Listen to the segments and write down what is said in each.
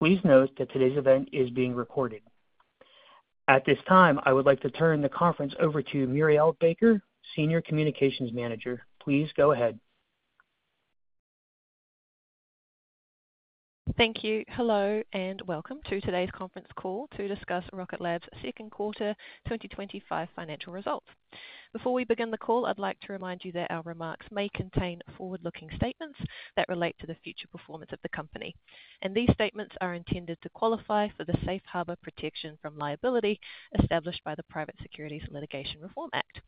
Please note that today's event is being recorded at this time. I would like to turn the conference over to Murielle Baker, Senior Communications Manager. Please go ahead. Thank you. Hello and welcome to today's conference call to discuss Rocket Lab's second quarter 2025 financial results. Before we begin the call, I'd like to remind you that our remarks may contain forward-looking statements that relate to the future performance of the company and these statements are intended to qualify for the Safe Harbor Protection from Liability established by the Private Securities Litigation Reform Act.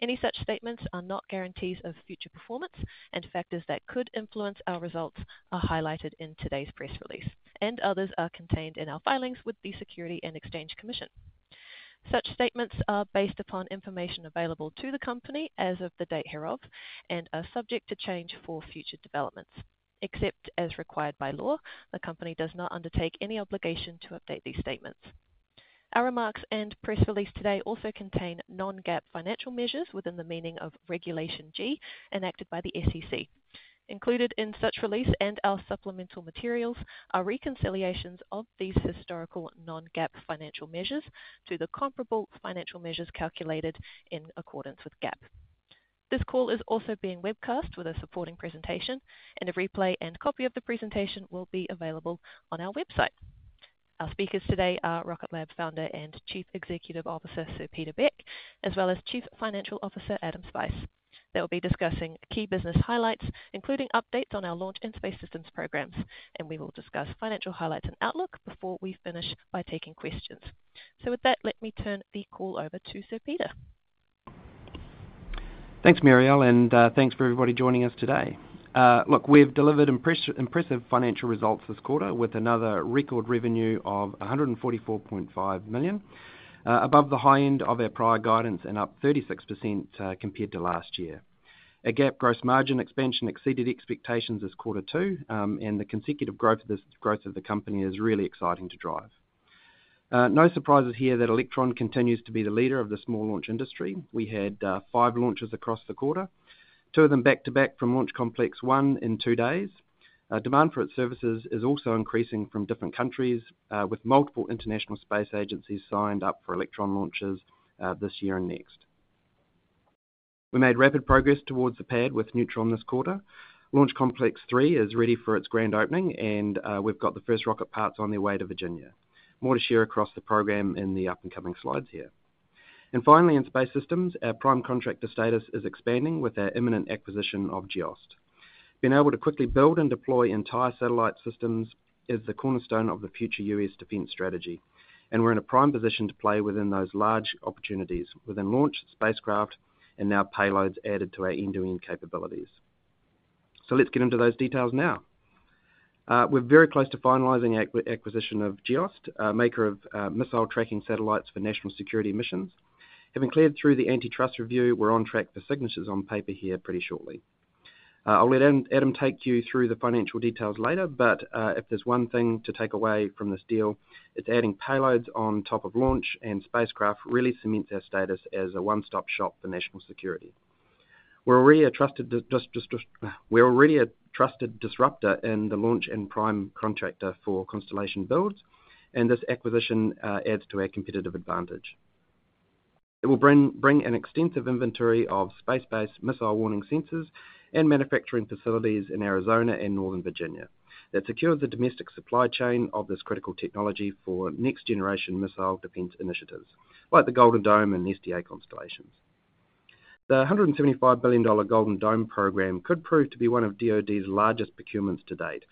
Any such statements are not guarantees of future performance and factors that could influence our results are highlighted in today's press release and others are contained in our filings with the Securities and Exchange Commission. Such statements are based upon information available to the company as of the date hereof and are subject to change for future developments. Except as required by law, the company does not undertake any obligation to update these statements. Our remarks and press release today also contain non-GAAP financial measures within the meaning of Regulation G enacted by the SEC. Included in such release and our supplemental materials are reconciliations of these historical non-GAAP financial measures to the comparable financial measures calculated in accordance with GAAP. This call is also being webcast with a supporting presentation and a replay and copy of the presentation will be available on our website. Our speakers today are Rocket Lab Founder and Chief Executive Officer Sir Peter Beck as well as Chief Financial Officer Adam Spice. They'll be discussing key business highlights including updates on our launch and Space Systems programs and we will discuss financial highlights and outlook before we finish by taking questions. With that, let me turn the call over to Sir Peter. Thanks Murielle and thanks for everybody joining us today. Look, we have delivered impressive financial results this quarter with another record revenue of $144.5 million, above the high end of our prior guidance and up 36% compared to last year. Our GAAP gross margin expansion exceeded expectations this quarter too, and the consecutive growth of the company is really exciting to drive. No surprises here that Electron continues to be the leader of the small launch industry. We had five launches across the quarter, two of them back to back from Launch Complex 1 in two days. Demand for its services is also increasing from different countries, with multiple international space agencies signed up for Electron launches this year and next. We made rapid progress towards the pad with Neutron this quarter. Launch Complex 3 is ready for its grand opening, and we've got the first rocket parts on their way to Virginia. More to share across the program in the up and coming slides here. Finally, in Space Systems, our prime contractor status is expanding with our imminent acquisition of Geost, Inc.. Being able to quickly build and deploy entire satellite systems is the cornerstone of the future U.S. defense strategy. We're in a prime position to play within those large opportunities within launch, spacecraft, and now payloads added to our end-to-end capabilities. Let's get into those details now. We're very close to finalizing acquisition of Geost, Inc., maker of missile tracking payloads for national security missions. Having cleared through the antitrust review, we're on track for signatures on paper here pretty shortly. I'll let Adam take you through the financial details later. If there's one thing to take away from this deal, it's adding payloads on top of launch and spacecraft really cements our status as a one-stop shop for national security. We're already a trusted disruptor in the launch and prime contractor for constellation builds, and this acquisition adds to our competitive advantage. It will bring an extensive inventory of space-based missile warning sensors and manufacturing facilities in Arizona and Northern Virginia that secures the domestic supply chain of this critical technology for next generation missile defense initiatives like the Golden Dome and SDA constellations. The $175 billion Golden Dome program could prove to be one of the DoD's largest procurements to date.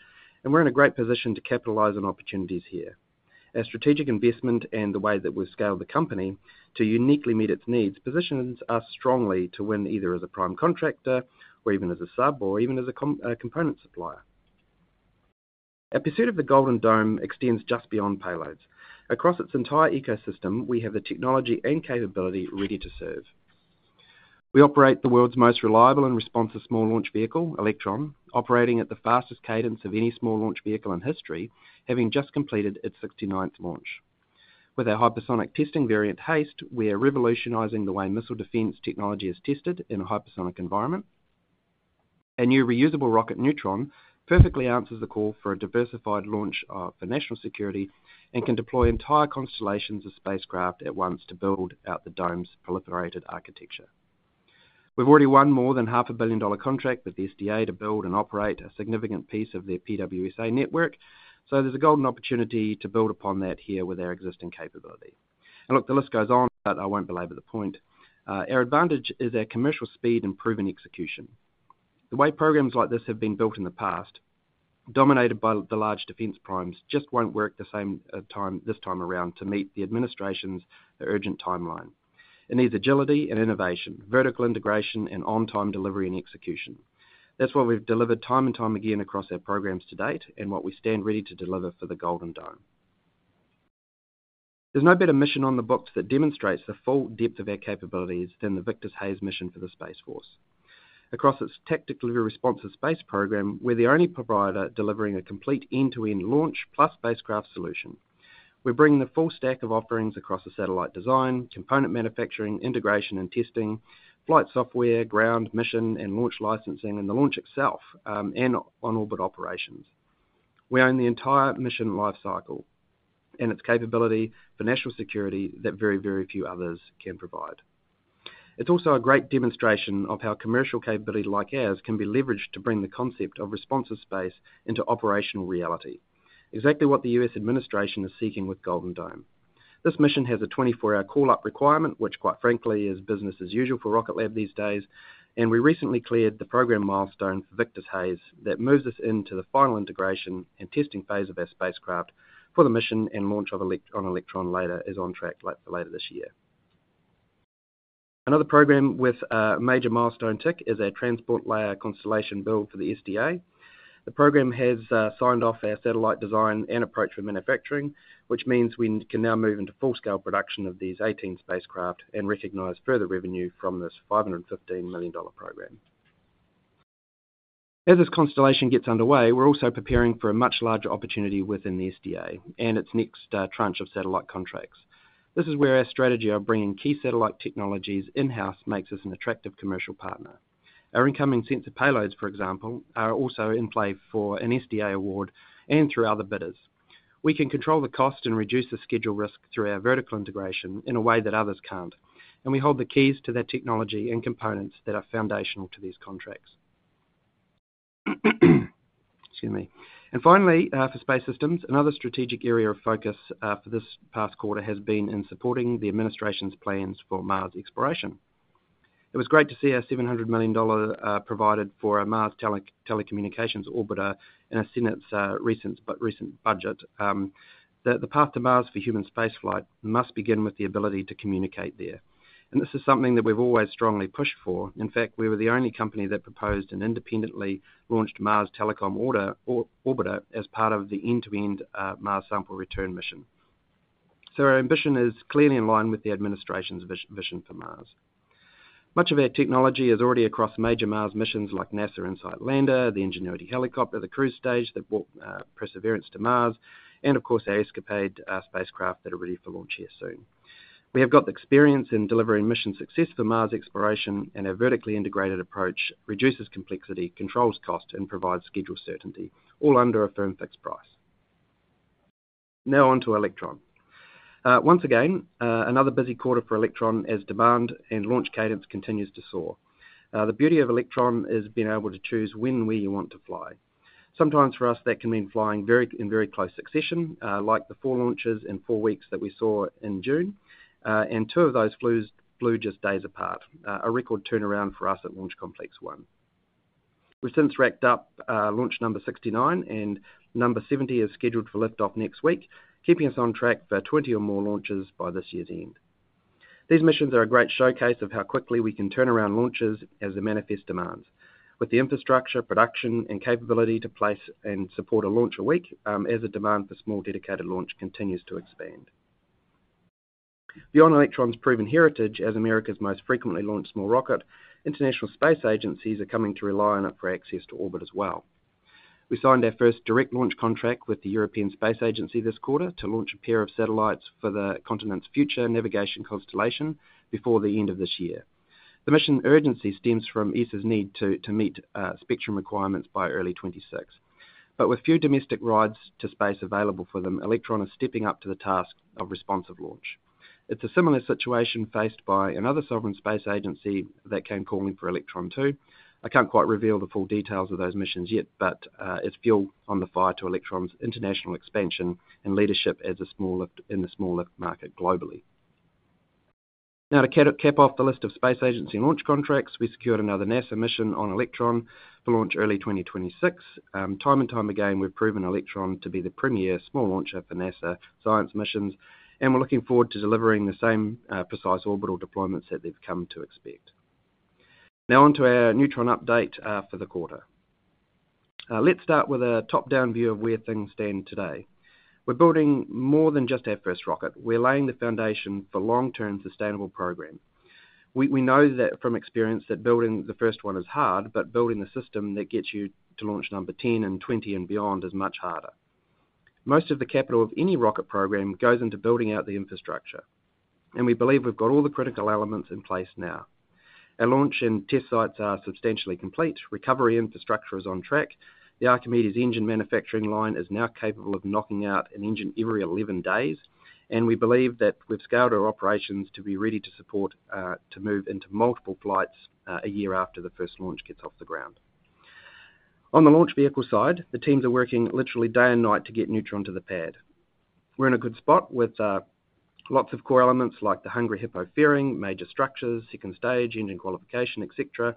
We are in a great position to capitalize on opportunities here as strategic investment. The way that we've scaled the company to uniquely meet its needs positions us strongly to win either as a prime contractor or even as a sub, or even as a component supplier. Our pursuit of the Golden Dome extends just beyond payloads across its entire ecosystem. We have the technology and capability ready to serve. We operate the world's most reliable and responsive small launch vehicle, Electron, operating at the fastest cadence of any small launch vehicle in history. Having just completed its 69th launch with our hypersonic testing variant HASTE, we are revolutionizing the way missile defense technology is tested in a hypersonic environment. A new reusable rocket, Neutron, perfectly answers the call for a diversified launch for national security and can deploy entire constellations of spacecraft at once to build out the Dome's proliferated architecture. We've already won more than a $0.5 billion contract with the Space Development Agency to build and operate a significant piece of their Proliferated Warfighter Space Architecture network. There is a golden opportunity to build upon that here with our existing capability. The list goes on, but I won't belabor the point. Our advantage is our commercial speed and proven execution. The way programs like this have been built in the past, dominated by the large defense primes, just won't work the same this time around. To meet the administration's urgent timeline, it needs agility and innovation, vertical integration, and on-time delivery and execution. That's why we've delivered time and time again across our programs to date and what we stand ready to deliver for the Golden Dome. There is no better mission on the books that demonstrates the full depth of our capabilities than the Victus Haze mission. For the Space Force, across its tactically responsive space program, we're the only provider delivering a complete end-to-end launch + spacecraft solution. We bring the full stack of offerings across the satellite design component, manufacturing, integration and testing, flight software, ground mission and launch licensing, and the launch itself. In on-orbit operations, we own the entire mission life cycle and its capability for national security that very, very few others can provide. It's also a great demonstration of how commercial capability like ours can be leveraged to bring the concept of responsive space into operational reality. Exactly what the U.S. Administration is seeking with Golden Dome. This mission has a 24 hour call up requirement, which quite frankly is business as usual for Rocket Lab these days. We recently cleared the program milestone for Victus HASTE. That moves us into the final integration and testing phase of our spacecraft for the mission, and launch of an Electron rocket is on track later this year. Another program with a major milestone tick is a transport layer constellation build for the SDA. The program has signed off our satellite design and approach for manufacturing, which means we can now move into full scale production of these 18 spacecraft and recognize further revenue from this $515 million program. As this constellation gets underway, we're also preparing for a much larger opportunity within the SDA and its next Tranche of satellite contracts. This is where our strategy of bringing key satellite technologies in house makes us an attractive commercial partner. Our incoming sensor payloads, for example, are also in frame for a SDA award. Through other bidders we can control the cost and reduce the schedule risk through our vertical integration in a way that others can't. We hold the keys to that technology and components that are foundational to these contracts. Finally, for Space Systems, another strategic area of focus for this past quarter has been in supporting the Administration's plans for Mars exploration. It was great to see $700 million provided for a Mars telecommunications orbiter in the Senate's recent budget. The path to Mars for human spaceflight must begin with the ability to communicate there, and this is something that we've always strongly pushed for. In fact, we were the only company that proposed an independently launched Mars Telecom orbiter as part of the end to end Mars Sample Return mission. Our ambition is clearly in line with the Administration's vision for Mars. Much of our technology is already across major Mars missions like NASA InSight Lander, the Ingenuity Helicopter, the cruise stage that brought Perseverance to Mars, and of course our ESCAPADE spacecraft that are ready for launch here soon. We have got the experience in delivering mission success for Mars exploration and a vertically integrated approach reduces complexity, controls cost, and provides schedule certainty all under a firm fixed price. Now on to Electron. Once again, another busy quarter for Electron as demand and launch cadence continues to soar. The beauty of Electron is being able to choose when and where you want to fly. Sometimes for us that can mean flying in very close succession, like the four launches in four weeks that we saw in June, and two of those flew just days apart, a record turnaround for us at Launch Complex 1. We've since racked up launch number 69, and number 70 is scheduled for liftoff next week, keeping us on track for 20 or more launches by this year's end. These missions are a great showcase of how quickly we can turn around launches as they manifest demands, with the infrastructure, production, and capability to place and support a launch a week. As the demand for small, dedicated launch continues to expand beyond Electron's proven heritage as America's most frequently launched small rocket, international space agencies are coming to rely on it for access to orbit as well. We signed our first direct launch contract with the European Space Agency this quarter to launch a pair of satellites for the continent's future navigation constellation before the end of this year. The mission urgency stems from ESA's need to meet spectrum requirements by early 2026. With few domestic rides to space available for them, Electron is stepping up to the task of responsive launch. It's a similar situation faced by another sovereign space agency that came calling for Electron too. I can't quite reveal the full details of those missions yet, but it's fuel on the fire to Electron's international expansion and leadership in the small market globally. To cap off the list of space agency launch contracts, we secured another NASA mission on Electron for launch early 2026. Time and time again, we've proven Electron to be the premier small launcher for NASA science missions, and we're looking forward to delivering the same precise orbital deployments that they've come to expect. Now onto our Neutron update for the quarter. Let's start with a top-down view of where things stand. Today, we're building more than just our first rocket. We're laying the foundation for a long-term sustainable program. We know from experience that building the first one is hard, but building the system that gets you to launch number 10 and 20 and beyond is much harder. Most of the capital of any rocket program goes into building out the infrastructure. We believe we've got all the critical elements in place now. Our launch and test sites are substantially complete. Recovery infrastructure is on track. The Archimedes engine manufacturing line is now capable of knocking out an engine every 11 days. We believe that we've scaled our operations to be ready to support to move into multiple flights a year after the first launch gets off the ground. On the launch vehicle side, the teams are working literally day and night to get Neutron to the pad. We're in a good spot with lots of core elements like the hungry hippo fairing, major structures, second stage engine qualification, etc.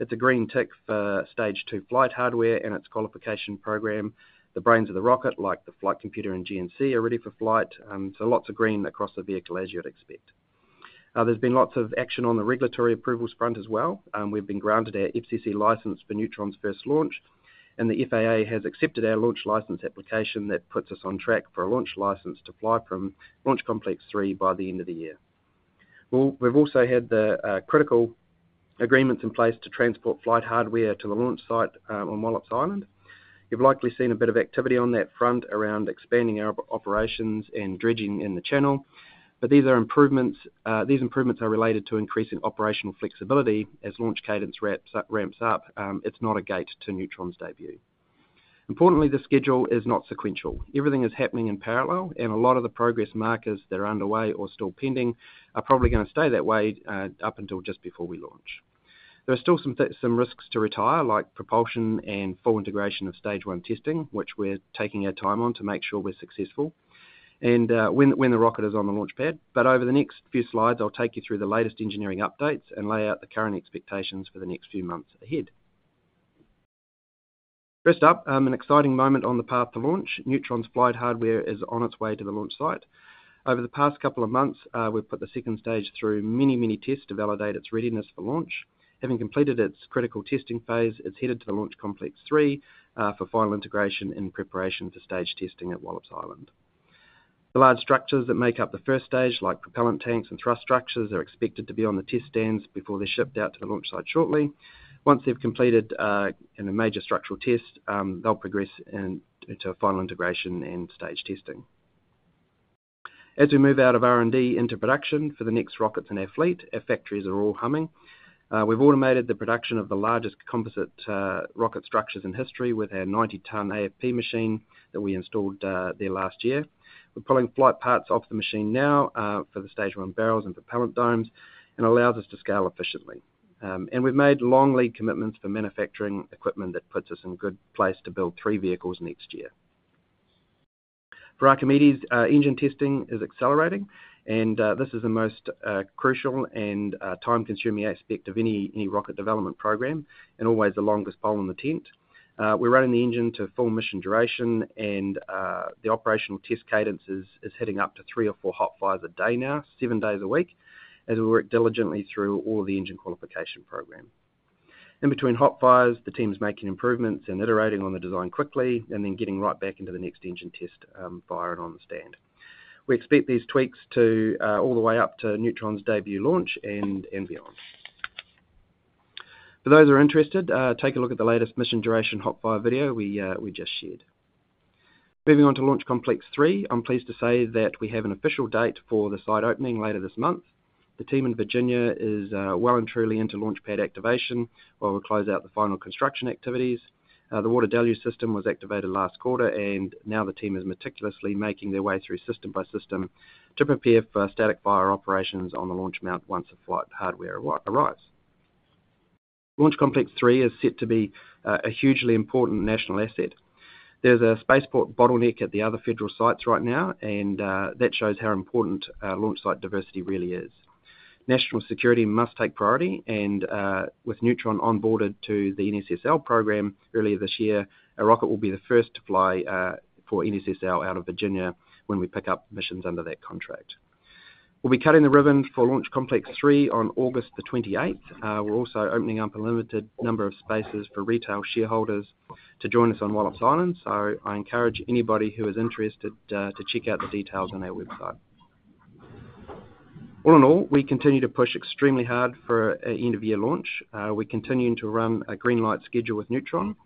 It's a green tick for stage two flight hardware and its qualification program. The brains of the rocket like the flight computer and GNC are ready for flight. Lots of green across the vehicle, as you'd expect. There's been lots of action on the regulatory approvals front as well. We've been granted our FCC license for Neutron's first launch, and the FAA has accepted our launch license application. That puts us on track for a launch license to fly from Launch Complex 3 by the end of the year. We've also had the critical agreements in place to transport flight hardware to the launch site on Wallops Island. You've likely seen a bit of activity on that front around expanding our operations and dredging in the channel, but these are improvements. These improvements are related to increasing operational flexibility as launch cadence ramps up. It's not a gate to Neutron's debut. Importantly, the schedule is not sequential. Everything is happening in parallel. A lot of the progress markers that are underway or still pending are probably going to stay that way up until just before we launch. There are still some risks to retire, like propulsion and full integration of stage one testing, which we're taking our time on to make sure we're successful when the rocket is on the launch pad. Over the next few slides, I'll take you through the latest engineering updates and lay out the current expectations for the next few months ahead. First up, an exciting moment on the path to launch. Neutron's flight hardware is on its way to the launch site. Over the past couple of months, we've put the second stage through many, many tests to validate its readiness for launch. Having completed its critical testing phase, it's headed to the Launch Complex 3 for final integration in preparation for stage testing at Wallops Island. The large structures that make up the first stage, like propellant tanks and thrust structures, are expected to be on the test stands before they're shipped out to the launch site shortly. Once they've completed a major structural test, they'll progress to final integration and stage testing. As we move out of R&D into production for the next rockets in our fleet, our factories are all humming. We've automated the production of the largest composite rocket structures in history with our 90-ton AFP machine that we installed there last year. We're pulling flight parts off the machine now for the stage one barrels and propellant domes, and it allows us to scale efficiently. We've made long lead commitments for manufacturing equipment. That puts us in a good place to build three vehicles next year for Archimedes. Engine testing is accelerating, and this is the most crucial and time-consuming aspect of any rocket development program and always the longest pole in the tent. We're running the engine to full mission duration, and the operational test cadence is heading up to three or four hot fires a day now, seven days a week, as we work diligently through all the engine qualification program. In between hot fires, the team is making improvements and iterating on the design quickly and then getting right back into the next engine test via an on stand. We expect these tweaks all the way up to Neutron's debut launch and ambiance. For those who are interested, take a look at the latest mission duration hot fire video we just shared. Moving on to Launch Complex 3, I'm pleased to say that we have an official date for the site opening later this month. The team in Virginia is well and truly into launch pad activation while we close out the final construction activities. The water deluge system was activated last quarter, and now the team is meticulously making their way through system by system to prepare for static fire operations on the launch mount. Once flight hardware arrives, Launch Complex 3 is set to be a hugely important national asset. There's a spaceport bottleneck at the other federal sites right now, and that shows how important launch site diversity really is. National security must take priority, and with Neutron onboarded to the NSSL program earlier this year, a rocket will be the first to fly for NSSL out of Virginia. When we pick up missions under that contract, we'll be cutting the ribbon for Launch Complex 3 on August 28th. We're also opening up a limited number of spaces for retail shareholders to join us on Wallops Island, so I encourage anybody who is interested to check out the details on our website. All in all, we continue to push extremely hard for an end of year launch. We're continuing to run a green light schedule with Neutron,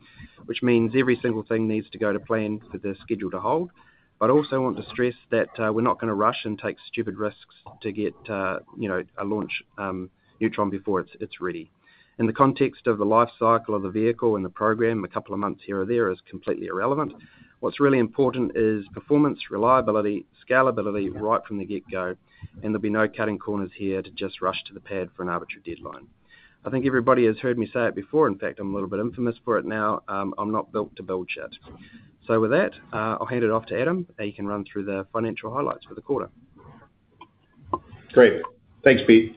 which means every single thing needs to go to plan for the schedule to hold, but I also want to stress that we're not going to rush and take stupid risks to get, you know, a launch Neutron before it's ready. In the context of the life cycle of the vehicle and the program, a couple of months here or there is completely irrelevant. What's really important is performance, reliability, scalability right from the get go. There'll be no cutting corners here to just rush to the pad for an arbitrary deadline. I think everybody has heard me say it before. In fact, I'm a little bit infamous for it now. I'm not built to build yet. With that, I'll hand it off to Adam. He can run through the financial highlights for the quarter. Great. Thanks, Pete.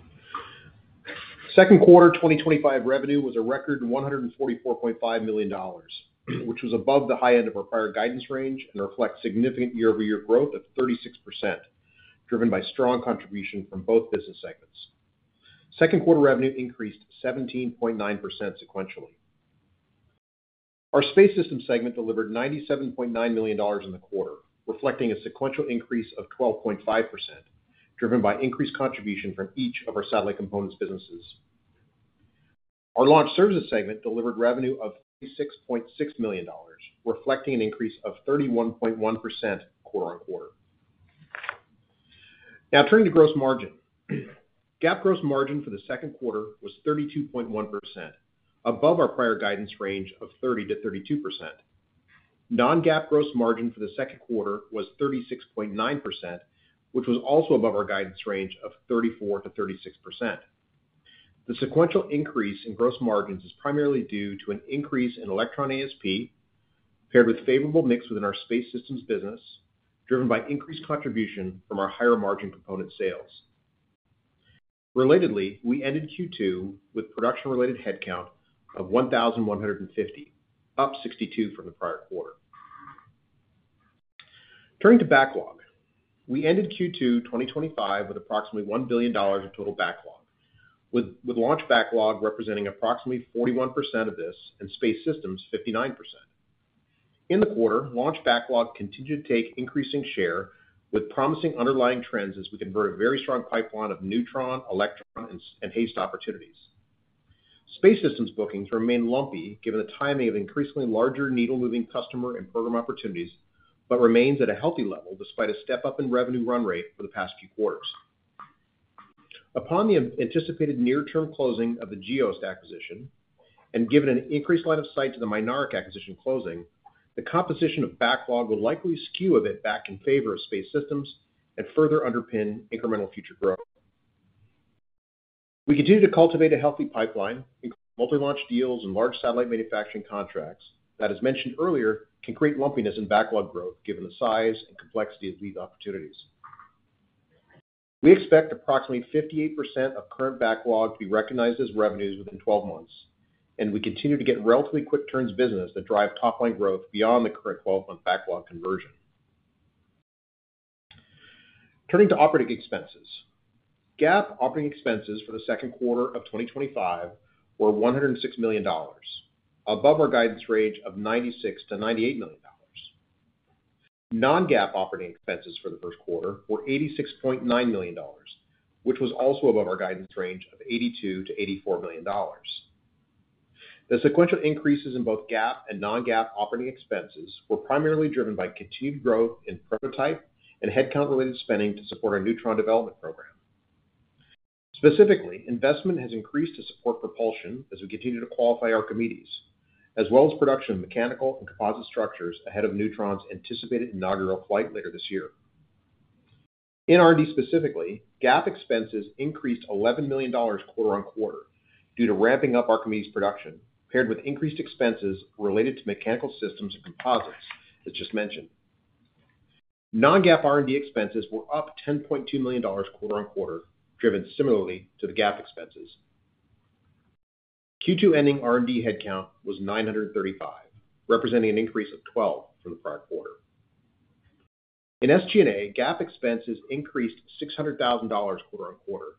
Second quarter 2025 revenue was a record $144.5 million, which was above the high end of our prior guidance range and reflects significant year-over-year growth of 36% driven by strong contribution from both business segments. Second quarter revenue increased 17.9% sequentially. Our Space Systems segment delivered $97.9 million in the quarter, reflecting a sequential increase of 12.5% driven by increased contribution from each of our satellite components businesses. Our Launch Services segment delivered revenue of $6.6 million, reflecting an increase of 31.1% quarter-on-quarter. Now turning to gross margin. GAAP gross margin for the second quarter was 32.1%, above our prior guidance range of 30%-32%. Non-GAAP gross margin for the second quarter was 36.9%, which was also above our guidance range of 34%-36%. The sequential increase in gross margins is primarily due to an increase in Electron ASP paired with favorable mix within our Space Systems business driven by increased contribution from our higher margin component sales. Relatedly, we ended Q2 with production-related headcount of 1,150, up 62 from the prior quarter. Turning to backlog, we ended Q2 2025 with approximately $1 billion of total backlog, with launch backlog representing approximately 41% of this and Space Systems 59% in the quarter. Launch backlog continued to take increasing share with promising underlying trends as we convert a very strong pipeline of Neutron, Electron, and HASTE opportunities. Space Systems bookings remain lumpy given the timing of increasingly larger needle-moving customer and program opportunities, but remains at a healthy level despite a step up in revenue run rate for the past few quarters. Upon the anticipated near-term closing of the Geost, Inc. acquisition and given an increased line of sight to the Mynaric acquisition closing, the composition of backlog will likely skew a bit back in favor of Space Systems and further underpin incremental future growth. We continue to cultivate a healthy pipeline, multi-launch deals, and large satellite manufacturing contracts that, as mentioned earlier, can create lumpiness in backlog growth. Given the size and complexity of these opportunities, we expect approximately 58% of current backlog to be recognized as revenues within 12 months, and we continue to get relatively quick turns business that drive top line growth beyond the current 12-month backlog conversion. Turning to operating expenses, GAAP operating expenses for the second quarter of 2025 were $106 million, above our guidance range of $96 million-$98 million. Non-GAAP operating expenses for the first quarter were $86.9 million, which was also above our guidance range of $82 million-$84 million. The sequential increases in both GAAP and non-GAAP operating expenses were primarily driven by continued growth in prototype and headcount-related spending to support our Neutron development program. Specifically, investment has increased to support propulsion as we continue to qualify Archimedes, as well as production of mechanical and composite structures ahead of Neutron's anticipated inaugural flight later this year. In R&D, specifically, GAAP expenses increased $11 million quarter-on-quarter due to ramping up Archimedes production paired with increased expenses related to mechanical systems and composites just mentioned. Non-GAAP R&D expenses were up $10.2 million quarter-on-quarter, driven similarly to the GAAP expenses. Q2 ending R&D headcount was 935, representing an increase of 12 from the prior quarter. In SG&A, GAAP expenses increased $600,000 quarter-on-quarter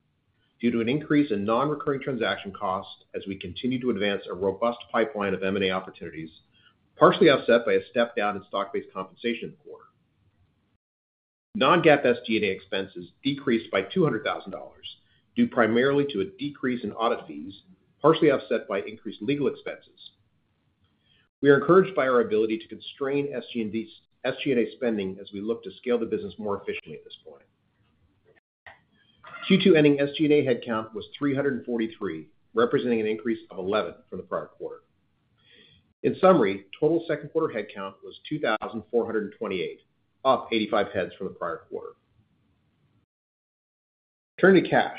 due to an increase in non-recurring transaction costs as we continue to advance a robust pipeline of M&A opportunities, partially offset by a step down in stock-based compensation quarter. Non-GAAP SG&A expenses decreased by $200,000 due primarily to a decrease in audit fees, partially offset by increased legal expenses. We are encouraged by our ability to constrain SG&A spending as we look to scale the business more efficiently. At this point, Q2 ending SG&A headcount was 343, representing an increase of 11 from the prior quarter. In summary, total second quarter headcount was 2,428, up 85 heads from the prior quarter. Turning to cash,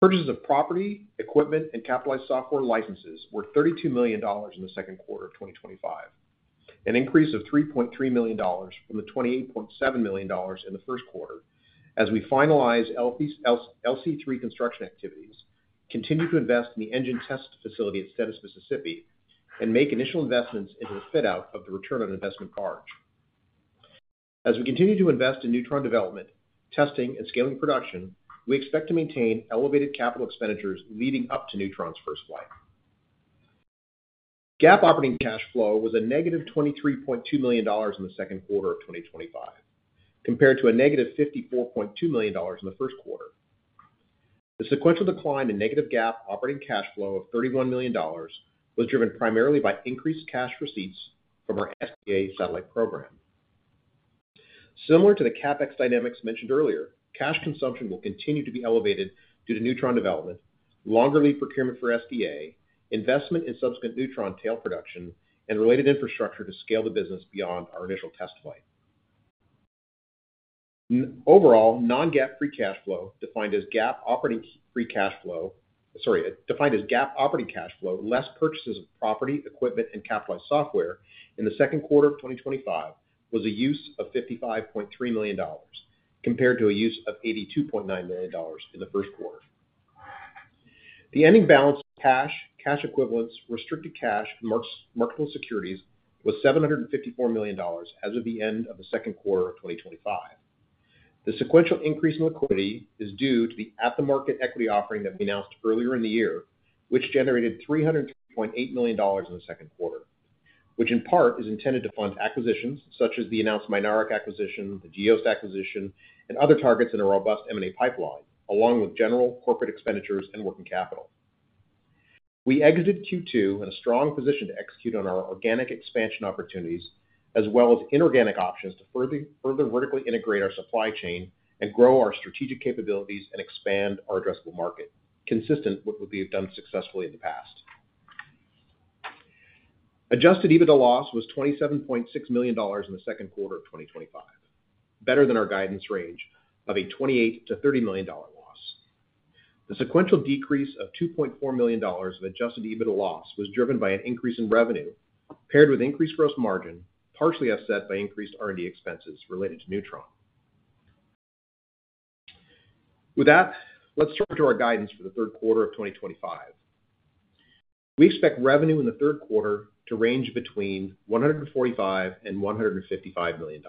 purchases of property, equipment, and capitalized software licenses were $32 million in the second quarter of 2025, an increase of $3.3 million from the $28.7 million in the first quarter. As we finalize LC3 construction activities, continue to invest in the engine test facility at Stennis, Mississippi, and make initial investments into the fit out of the return on investment car. As we continue to invest in Neutron development, testing, and scaling production, we expect to maintain elevated capital expenditures. Leading up to Neutron's first flight, GAAP operating cash flow was a -$23.2 million in the second quarter of 2025, compared to a -$54.2 million in the first quarter. The sequential decline in negative GAAP operating cash flow of $31 million was driven primarily by increased cash receipts from our SDA satellite program. Similar to the CapEx dynamics mentioned earlier, cash consumption will continue to be elevated due to Neutron development, longer lead procurement for SDA investment in subsequent Neutron tail production, and related infrastructure to scale the business beyond our initial test flight. Overall, non-GAAP free cash flow, defined as GAAP operating cash flow less purchases of property, equipment, and capitalized software, in the second quarter of 2025 was a use of $55.3 million compared to a use of $82.9 million in the first quarter. The ending balance of cash, cash equivalents, restricted cash, and marketable securities was $754 million as of the end of the second quarter of 2025. The sequential increase in liquidity is due to the at-the-market equity offering that we announced earlier in the year, which generated $300.8 million in the second quarter, which in part is intended to fund acquisitions such as the announced Mynaric acquisition, the Geost, Inc. acquisition, and other targets in a robust M&A pipeline along with general corporate expenditures and working capital. We exited Q2 in a strong position to execute on our organic expansion opportunities as well as inorganic options to further vertically integrate our supply chain, grow our strategic capabilities, and expand our addressable market consistent with what we have done successfully in the past. Adjusted EBITDA loss was $27.6 million in the second quarter of 2025, better than our guidance range of a $28 million-$30 million loss. The sequential decrease of $2.4 million of adjusted EBITDA loss was driven by an increase in revenue paired with increased gross margin, partially offset by increased R&D expenses related to Neutron. With that, let's turn to our guidance. For the third quarter of 2025, we expect revenue in the third quarter to range between $145 million and $155 million.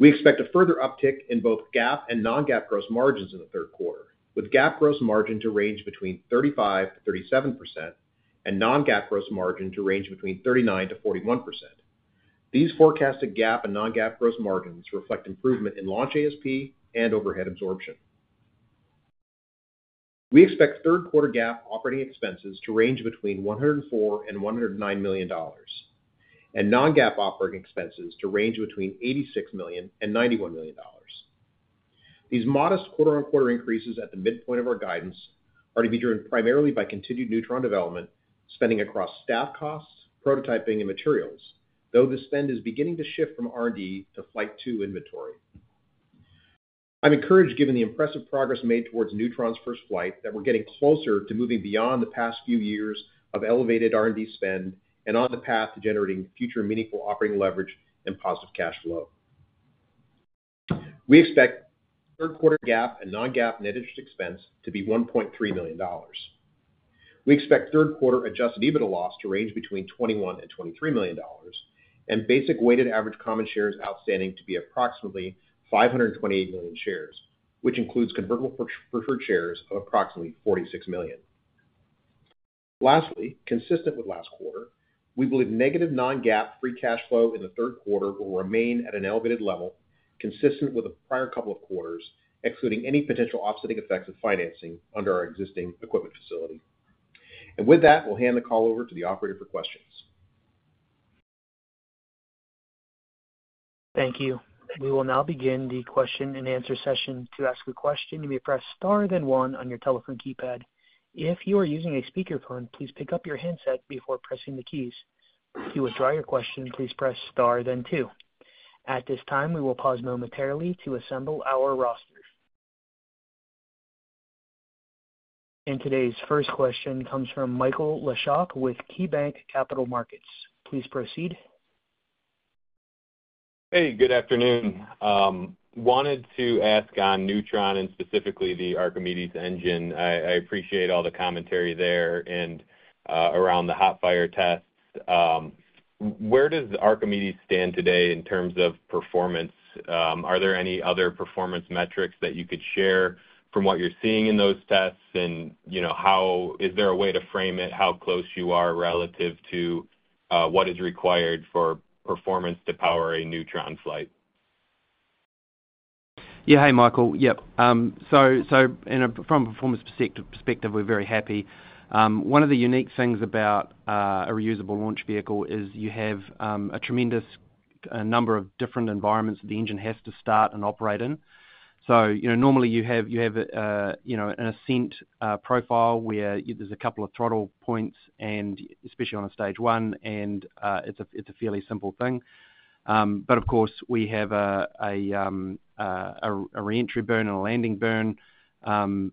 We expect a further uptick in both GAAP and non-GAAP gross margins in the third quarter, with GAAP gross margin to range between 35%-37% and non-GAAP gross margin to range between 39%-41%. These forecasted GAAP and non-GAAP gross margins reflect improvement in launch ASP and overhead absorption. We expect third quarter GAAP operating expenses to range between $104 million and $109 million and non-GAAP operating expenses to range between $86 million and $91 million. These modest quarter-on-quarter increases at the midpoint of our guidance are to be driven primarily by continued Neutron development spending across staff costs, prototyping, and materials. Though the spend is beginning to shift from R&D to Flight 2 inventory, I'm encouraged, given the impressive progress made towards Neutron's first flight, that we're getting closer to moving beyond the past few years of elevated R&D spend and on the path to generating future meaningful operating leverage and positive cash flow. We expect third quarter GAAP and non-GAAP net interest expense to be $1.3 million. We expect third quarter adjusted EBITDA loss to range between $21 million and $23 million and basic weighted average common shares outstanding to be approximately 528 million shares, which includes convertible preferred shares of approximately 46 million. Lastly, consistent with last quarter, we believe negative non-GAAP free cash flow in the third quarter will remain at an elevated level consistent with the prior couple of quarters, excluding any potential offsetting effects of financing under our existing equipment facility. With that, we'll hand the call over to the operator for questions. Thank you. We will now begin the question and answer session. To ask a question, you may press star then one on your telephone keypad. If you are using a speakerphone, please pick up your handset before pressing the keys. To withdraw your question, please press star then two. At this time, we will pause momentarily to assemble our roster. Today's first question comes from Michael Leshock with KeyBanc Capital Markets. Please proceed. Hey, good afternoon. Wanted to ask on Neutron and specifically the Archimedes engine. I appreciate all the commentary there and around the hot fire test. Where does Archimedes stand today in terms of performance? Are there any other performance metrics that you could share from what you're seeing in those tests, and is there a way to frame it, how close you are relative to what is required for performance to power a Neutron flight? Yeah. Hey, Michael. Yeah. From a performance perspective, we're very happy. One of the unique things about a reusable launch vehicle is you have a tremendous number of different environments the engine has to start and operate in. Normally you have an ascent profile where there's a couple of throttle points, especially on a stage one, and it's a fairly simple thing. Of course, we have a reentry burn and a landing burn. You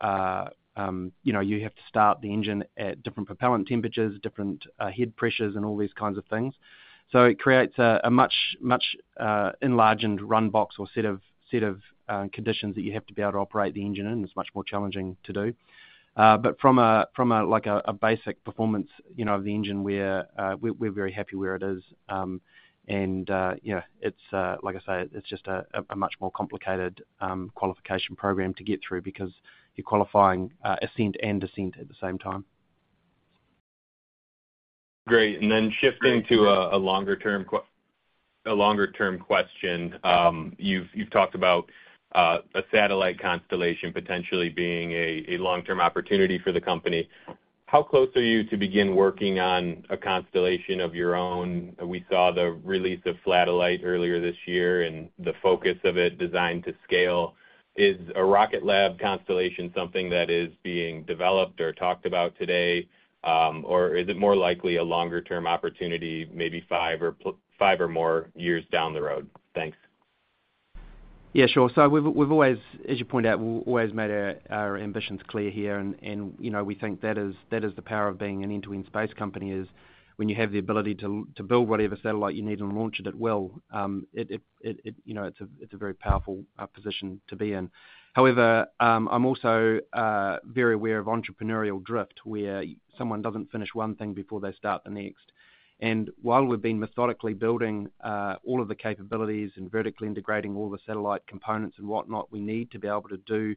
have to start the engine at different propellant temperatures, different head pressures, and all these kinds of things. It creates a much enlarged run box or set of conditions that you have to be able to operate the engine in. It's much more challenging to do. From a basic performance of the engine, we're very happy where it is. Like I say, it's just a much more complicated qualification program to get through because you're qualifying ascent and descent at the same time. Great. Shifting to a longer term question, you've talked about a satellite constellation potentially being a long term opportunity for the company. How close are you to begin working on a constellation of your own? We saw the release of Flatellite earlier this year and the focus of it, designed to a Rocket Lab constellation. Is that something that is being developed or talked about today, or is it more likely a longer term opportunity, maybe five or more years down the road? Thanks. Yeah, sure. We've always, as you point out, made our ambitions clear here. We think that the power of being an end-to-end space company is when you have the ability to build whatever satellite you need and launch it at will. It's a very powerful position to be in. However, I'm also very aware of entrepreneurial drift where someone doesn't finish one thing before they start the next. While we've been methodically building all of the capabilities and vertically integrating all the satellite components and whatnot, we need to be able to do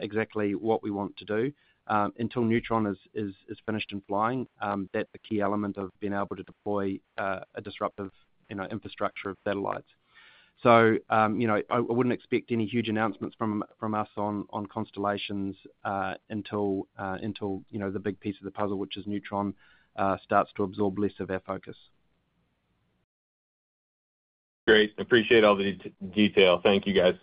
exactly what we want to do until Neutron is finished and flying. That is the key element of being able to deploy a disruptive infrastructure of satellites. I wouldn't expect any huge announcements from us on constellations until the big piece of the puzzle, which is Neutron, starts to absorb less of our focus. Great. Appreciate all the detail. Thank you, guys.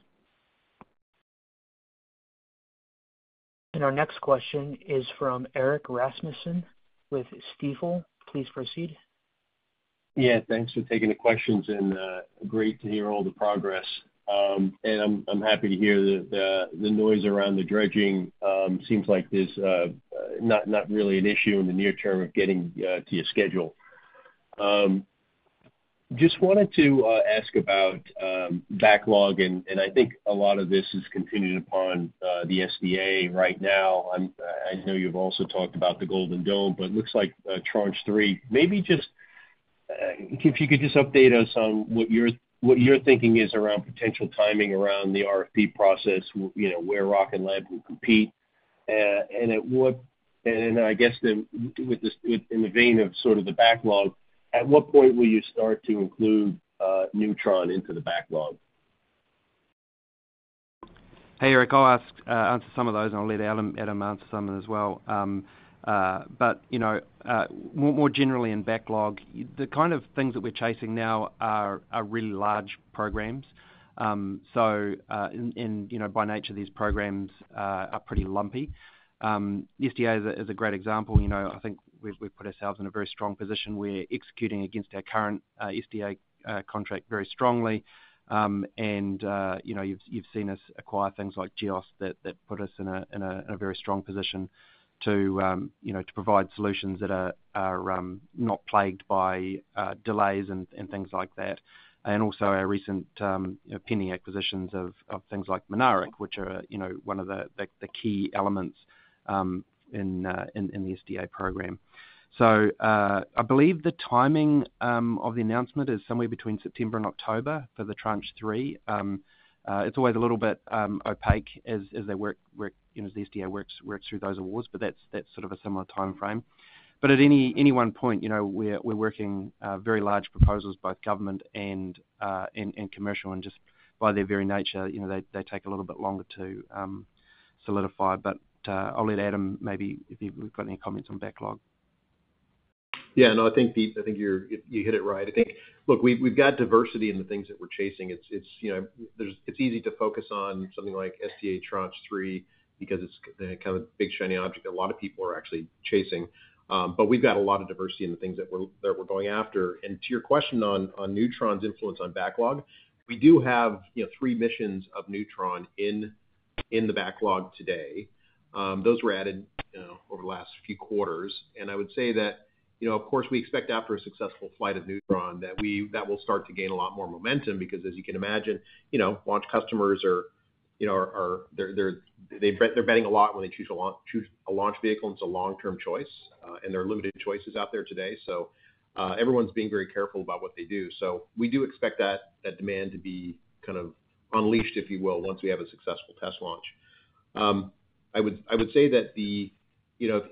Our next question is from Erik Rasmussen with Stifel. Please proceed. Yeah, thanks for taking the questions and great to hear all the progress and I'm happy to hear the noise around the dredging. Seems like there's not really an issue in the near term of getting to your schedule. Just wanted to ask about backlog, and I think a lot of this is continuing upon the SDA right now. I know you've also talked about the Golden Dome, but looks like Tranche 3. Maybe just if you could just update us on what your thinking is around potential timing around the RFP process, you know, where Rocket Lab can compete and at what. I guess in the vein of sort of the backlog, at what point will you start to include Neutron into the backlog? Hey, Erik, I'll answer some of those. I'll let him answer some as well. You know, more generally in backlog, the kind of things that we're chasing now are really large programs. So. By nature these programs are pretty lumpy. The SDA is a great example. I think we've put ourselves in a very strong position. We're executing against our current SDA contract very strongly. You've seen us acquire things like Geost, Inc. that put us in a very strong position to provide solutions that are not plagued by delays and things like that. Also, our recent pending acquisitions of things like Mynaric, which are one of the key elements in the SDA program. I believe the timing of the announcement is somewhere between September and October for the Tranche 3. It's always a little bit opaque as the Space Development Agency works through those awards, but that's sort of a similar timeframe. At any one point we're working very large proposals by government and commercial and just by their very nature, they take a little bit longer to solidify. I'll let Adam, maybe if you've got any comments on backlog. Yeah, no, I think you hit it right. Look, we've got diversity in the things that we're chasing. It's easy to focus on something like SDA Tranche 3 because it's kind of a big shiny object a lot of people are actually chasing, but we've got a lot of diversity in the things that we're going after. To your question on Neutron's influence on backlog, we do have three missions of Neutron in the backlog today. Those were added over the last few quarters. I would say that, of course, we expect after a successful flight of Neutron that will start to gain a lot more momentum because, as you can imagine, launch customers are betting a lot when they choose a launch vehicle. It's a long-term choice and there are limited choices out there today. Everyone's being very careful about what they do. We do expect that demand to be kind of unleashed, if you will, once we have a successful test launch.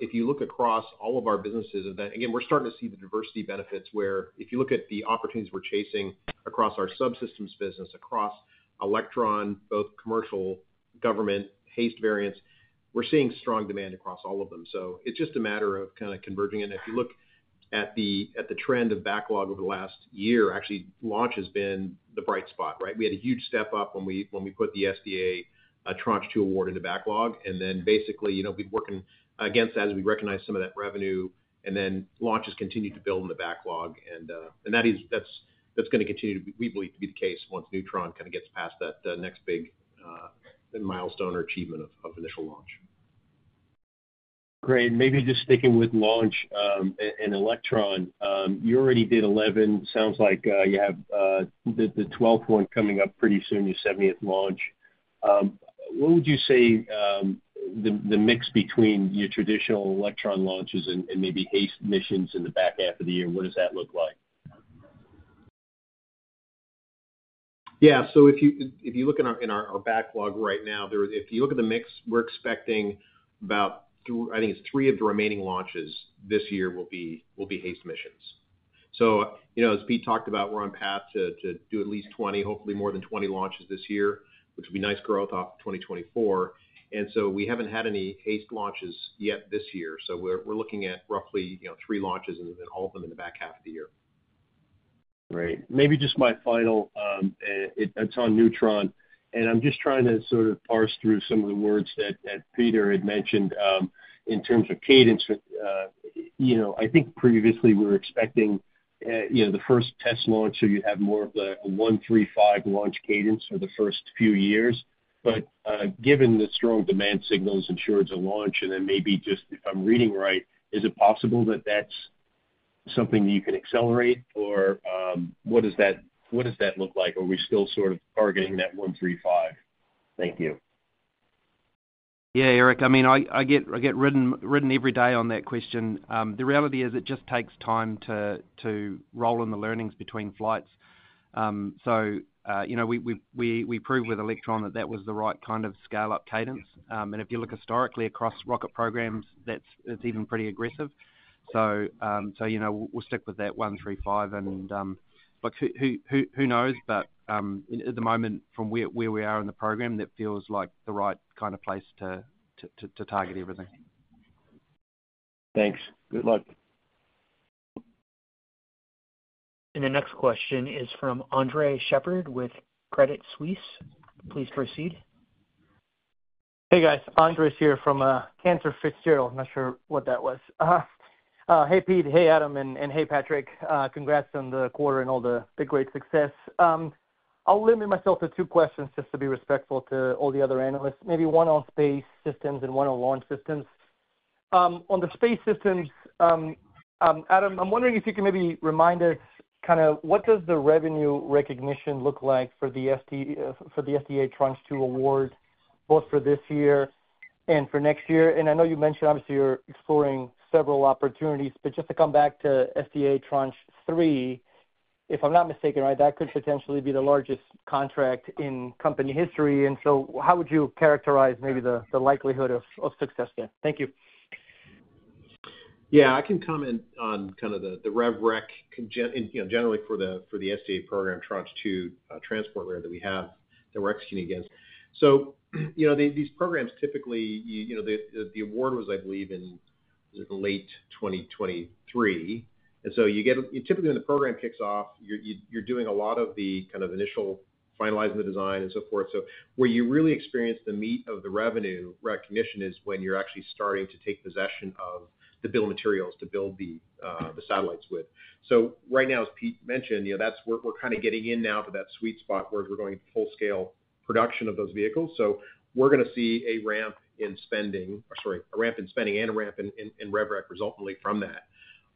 If you look across all of our businesses, again, we're starting to see the diversity benefits where, if you look at the opportunities we're chasing across our subsystems business, across Electron, both commercial, government, HASTE variants, we're seeing strong demand across all of them. It's just a matter of converging. If you look at the trend of backlog over the last year, actually launch has been the bright spot. We had a huge step up when we put the SDA Tranche 2 award into backlog, and then basically we've been working against that as we recognize some of that revenue. Launches continue to build in the backlog, and that is going to continue to be, we believe, the case once Neutron gets past that next big milestone or achievement of initial launch. Great. Maybe just sticking with Launch and Electron. You already did 11. Sounds like you have the 12th one coming up pretty soon, the 70th launch. What would you say the mix between your traditional Electron launches and maybe HASTE missions in the back half of the year? What does that look like? Yeah, so if you look in our backlog right now, if you look at the mix, we're expecting about, I think it's three of the remaining launches this year will be HASTE missions. As Pete talked about, we're on path to do at least 20, hopefully more than 20 launches this year, which will be nice growth off 2024. We haven't had any HASTE launches yet this year. We're looking at roughly three launches and all of them in the back half of the year. Great. Maybe just my final, it's on Neutron. I'm just trying to sort of parse through some of the words that Peter had mentioned in terms of cadence. I think previously we were expecting the first test launch, so you have more of a 1.35 launch cadence for the first few years. Given the strong demand signals insured to launch and then maybe just if I'm reading right, is it possible that that's something that you can accelerate or what does that look like? Are we still sort of targeting that 1.35? Thank you. Yeah, Erik. I mean I get ridden every day on that question. The reality is it just takes time to roll in the learnings between flights. You know, we proved with Electron that that was the right kind of scale up cadence. If you look historically across rocket programs, it's even pretty aggressive. We'll stick with that 1.35 and look, who knows. At the moment from where we are in the program, that feels like the right kind of place to target everything. Thanks. Good luck. The next question is from Andres Sheppard with Credit Suisse. Please proceed. Hey guys, Andres here from Cantor Fitzgerald. Not sure what that was. Hey Pete. Hey Adam and hey Patrick. Congrats on the quarter and all the great success. I'll limit myself to two questions just to be respectful to all the other analysts. Maybe one on Space Systems and one on Launch services. On the Space Systems, Adam, I'm wondering if you can maybe remind us kind of what does the revenue recognition look like for the SDA for the SDA Tranche two award both for this year and for next year. I know you mentioned obviously you're exploring several opportunities, just to come back to SDA Tranche three, if I'm not mistaken right. That could potentially be the largest contract in company history. How would you characterize the likelihood of success there? Thank you. I can comment on kind of the rev rec generally for the SDA program Tranche 2 transport layer that we have that we're executing against. These programs typically, the award was I believe in late 2023. You get, typically when the program kicks off, you're doing a lot of the initial finalizing the design and so forth. Where you really experience the meat of the revenue recognition is when you're actually starting to take possession of the bill of materials to build the satellites with. Right now, as Pete mentioned, that's where we're kind of getting in now to that sweet spot where we're going full scale production of those vehicles. We're going to see a ramp in spending and a ramp in rev rec resultingly from that.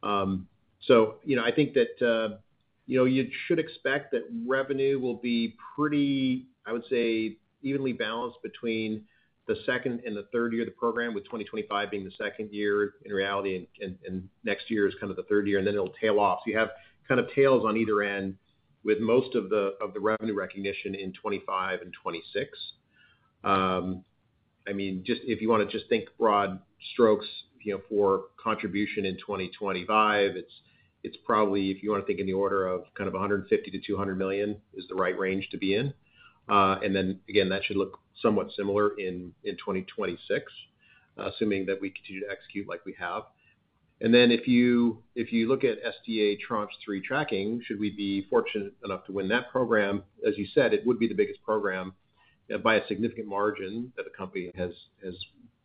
I think that you should expect that revenue will be pretty, I would say, evenly balanced between the second and the third year of the program with 2025 being the second year in reality and next year is kind of the third year and then it'll tail off. You have kind of tails on either end with most of the revenue recognition in 2025 and 2026. I mean just if you want to just think broad strokes, for contribution in 2025, it's probably, if you want to think in the order of $150 million-$200 million is the right range to be in. That should look somewhat similar in 2026, assuming that we continue to execute like we have. If you look at SDA Tranche 3 tracking, should we be fortunate enough to win that program, as you said, it would be the biggest program by a significant margin that the company has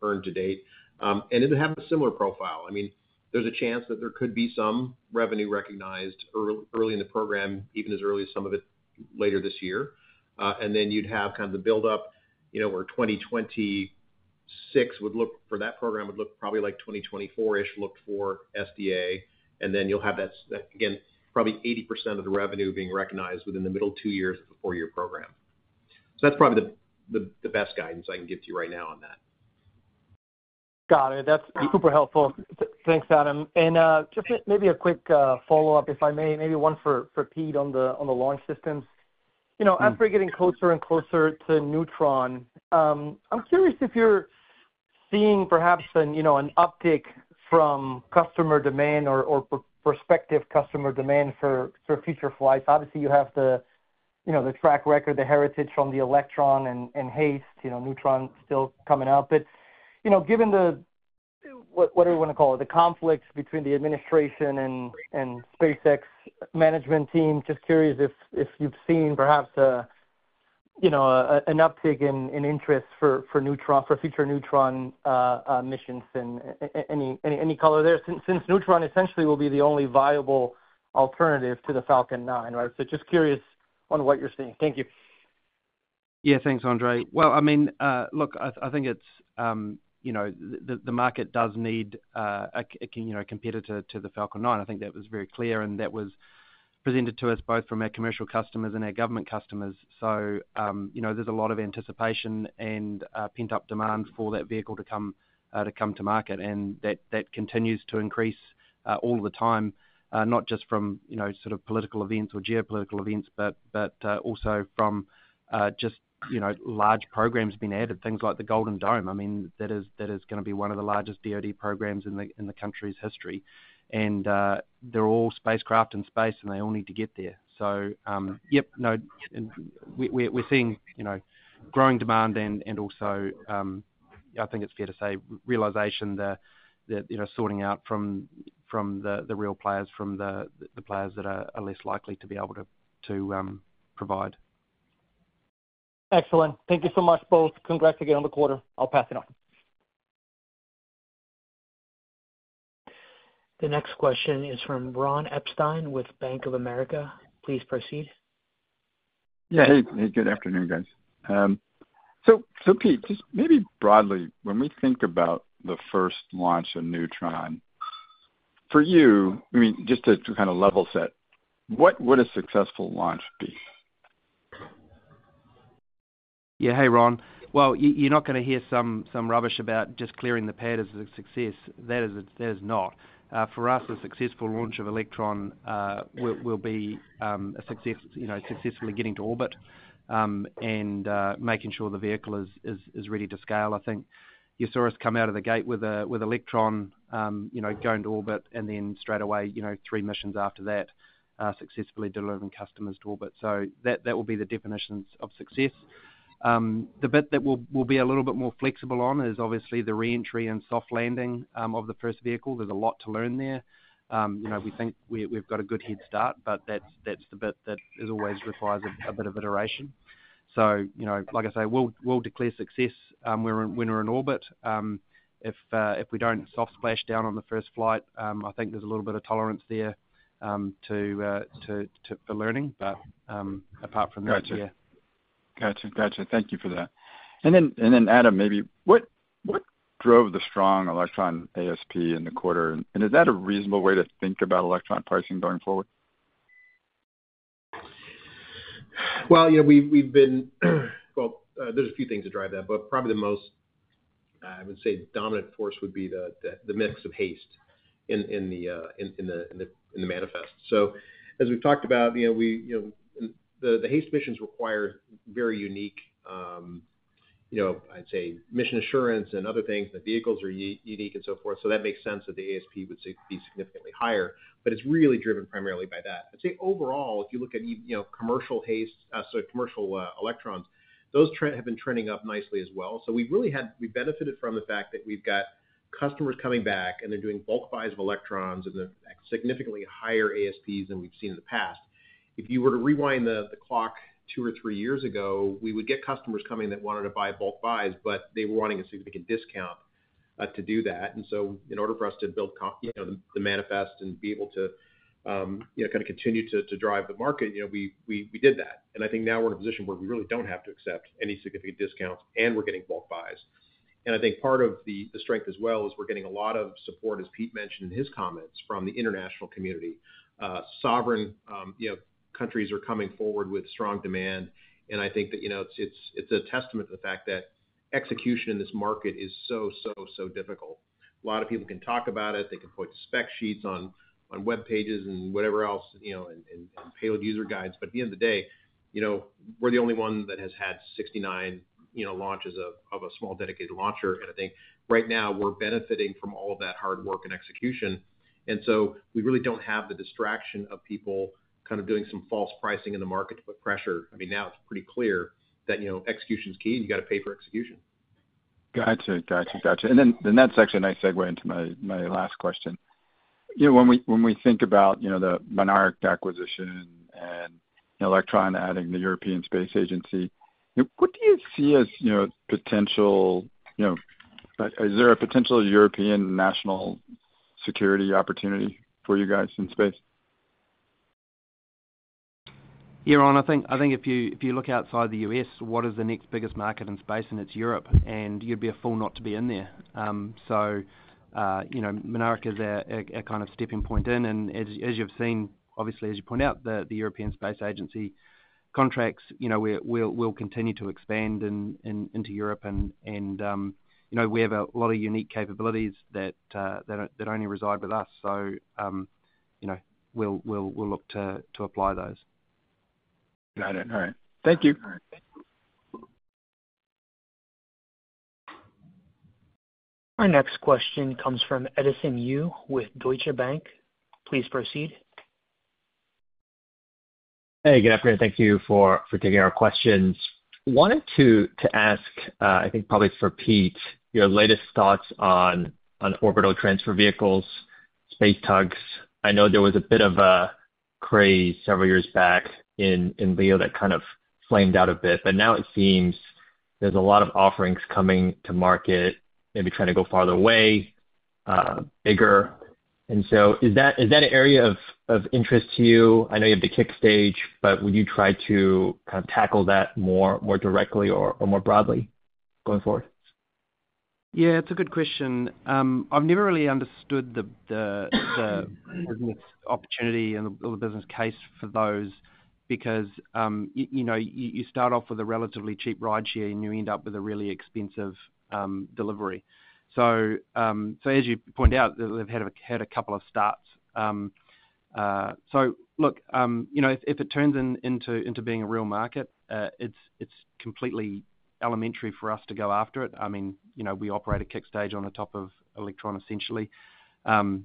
earned to date and it'll have a similar profile. There's a chance that there could be some revenue recognized early in the program, even as early as some of it later this year. You'd have kind of the build up, where 2026 would look for that program would look probably like 2024ish looked for SDA. You'll have that again, probably 80% of the revenue being recognized within the middle two years, four year program. That's probably the best guidance I can give to you right now on that. Got it. That's super helpful. Thanks, Adam. Just maybe a quick follow-up if I may, maybe one for Pete on the launch systems. As we're getting closer and closer to Neutron, I'm curious if you're seeing perhaps an uptick from customer demand or prospective customer demand for future flights. Obviously, you have the track record, the heritage from the Electron and HASTE. Neutron is still coming up, but given the, what do we want to call it, the conflicts between the administration and SpaceX management team, just curious if you've seen perhaps, you know, an uptick in interest for Neutron, for future Neutron missions, and any color there since Neutron essentially will be the only viable alternative to the Falcon 9. Right. I'm just curious on what you're seeing. Thank you. Yeah, thanks, Andre. I mean, look, I think it's, you know, the market does need a competitor to the Falcon 9. I think that was very clear and that was presented to us both from our commercial customers and our government customers. You know, there's a lot of anticipation and pent up demand for that vehicle to come to market and that continues to increase all the time. Not just from, you know, sort of political events or geopolitical events, but also from just, you know, large programs being added, things like the Golden Dome. I mean, that is going to be one of the largest DoD programs in the country's history and they're all spacecraft in space and they all need to get there. Yep, no, we're seeing, you know, growing demand and also, I think it's fair to say, realization that, you know, sorting out from the real players, from the players that are less likely to be able to provide. Excellent. Thank you so much both. Congrats again on the quarter. I'll pass it on. The next question is from Ron Epstein with Bank of America. Please proceed. Yeah. Hey, good afternoon, guys. Pete, just maybe broadly, when we think about the first launch of Neutron for you, just to kind of level set, what would a successful launch be? Yeah. Hey, Ron. You're not going to hear some rubbish about just clearing the pad as a success. That is not for us. The successful launch of Electron will be successfully getting to orbit and making sure the vehicle is ready to scale. I think you saw us come out of the gate with Electron going to orbit and then straight away three missions after that successfully delivering customers to orbit. That will be the definitions of success. The bit that will be a little bit more flexible on is obviously the reentry and soft landing of the first vehicle. There's a lot to learn there. We think we've got a good head start, but that's the bit that always requires a bit of iteration. Like I say, we'll declare success when we're in orbit if we don't soft splash down on the first flight. I think there's a little bit of tolerance there for learning, but apart from that. Thank you for that. Adam, maybe what drove the strong Electron ASP in the quarter and is that a reasonable way to think about Electron pricing going forward? There are a few things to drive that, but probably the most dominant force would be the mix of HASTE in the manifest. As we've talked about, the HASTE missions require very unique mission assurance and other things that vehicles are unique and so forth. That makes sense that the ASP would be significantly higher, but it's really driven primarily by that. Overall, if you look at commercial HASTE, so commercial Electrons, those trends have been trending up nicely as well. We really had, we benefited from the fact that we've got customers coming back and they're doing bulk buys of Electrons and significantly higher ASPs than we've seen in the past. If you were to rewind the clock two or three years ago, we would get customers coming that wanted to buy bulk buys, but they were wanting a significant discount to do that. In order for us to build the manifest and be able to continue to drive the market, we did that. I think now we're in a position where we really don't have to accept any significant discounts and we're getting bulk buys. Part of the strength as well is we're getting a lot of support. As Pete mentioned in his comments from the international community, sovereign countries are coming forward with strong demand. I think that it's a testament to the fact that execution in this market is so, so, so difficult. A lot of people can talk about it. They can point to spec sheets on web pages and whatever else and payload user guides, but at the end of the day, we're the only one that has had 69 launches of a small dedicated launcher. I think right now we're benefiting from all of that hard work and execution. We really don't have the distraction of people doing some false pricing in the market to put pressure. Now it's pretty clear that execution is key and you got to pay for execution. That's actually a nice segue into my last question. When we think about the Mynaric acquisition and Electron adding the European Space Agency, what do you see as, is there a potential European national security opportunity for you guys in space? Yeah, Ron, I think if you look outside the U.S., what is the next biggest market in space, and it's Europe, you'd be a fool not to be in there. Mynaric is a kind of stepping point in. As you've seen, obviously as you point out the European Space Agency contracts, we'll continue to expand into Europe. We have a lot of unique capabilities that only reside with us, so we'll look to apply those. I don't know. Thank you. Our next question comes from Edison Yu with Deutsche Bank. Please proceed. Hey, good afternoon. Thank you for taking our questions. Wanted to ask, I think probably for Pete, your latest thoughts on orbital transfer vehicles, space tugs. I know there was a bit of craze several years back in LEO, that kind of flamed out a bit, but now it seems there's a lot of offerings coming to market, maybe trying to go farther away, bigger, and so is that an area of interest to you? I know you have the kick stage, but would you try to kind of tackle that more directly or more broadly going forward? Yeah, it's a good question. I've never really understood the business opportunity and the business case for those because, you know, you start off with a relatively cheap ride share and you end up with a really expensive delivery. As you point out, they've had a couple of starts. If it turns into being a real market, it's completely elementary for us to go after it. I mean, you know, we operate a kick stage on the top of Electron essentially, and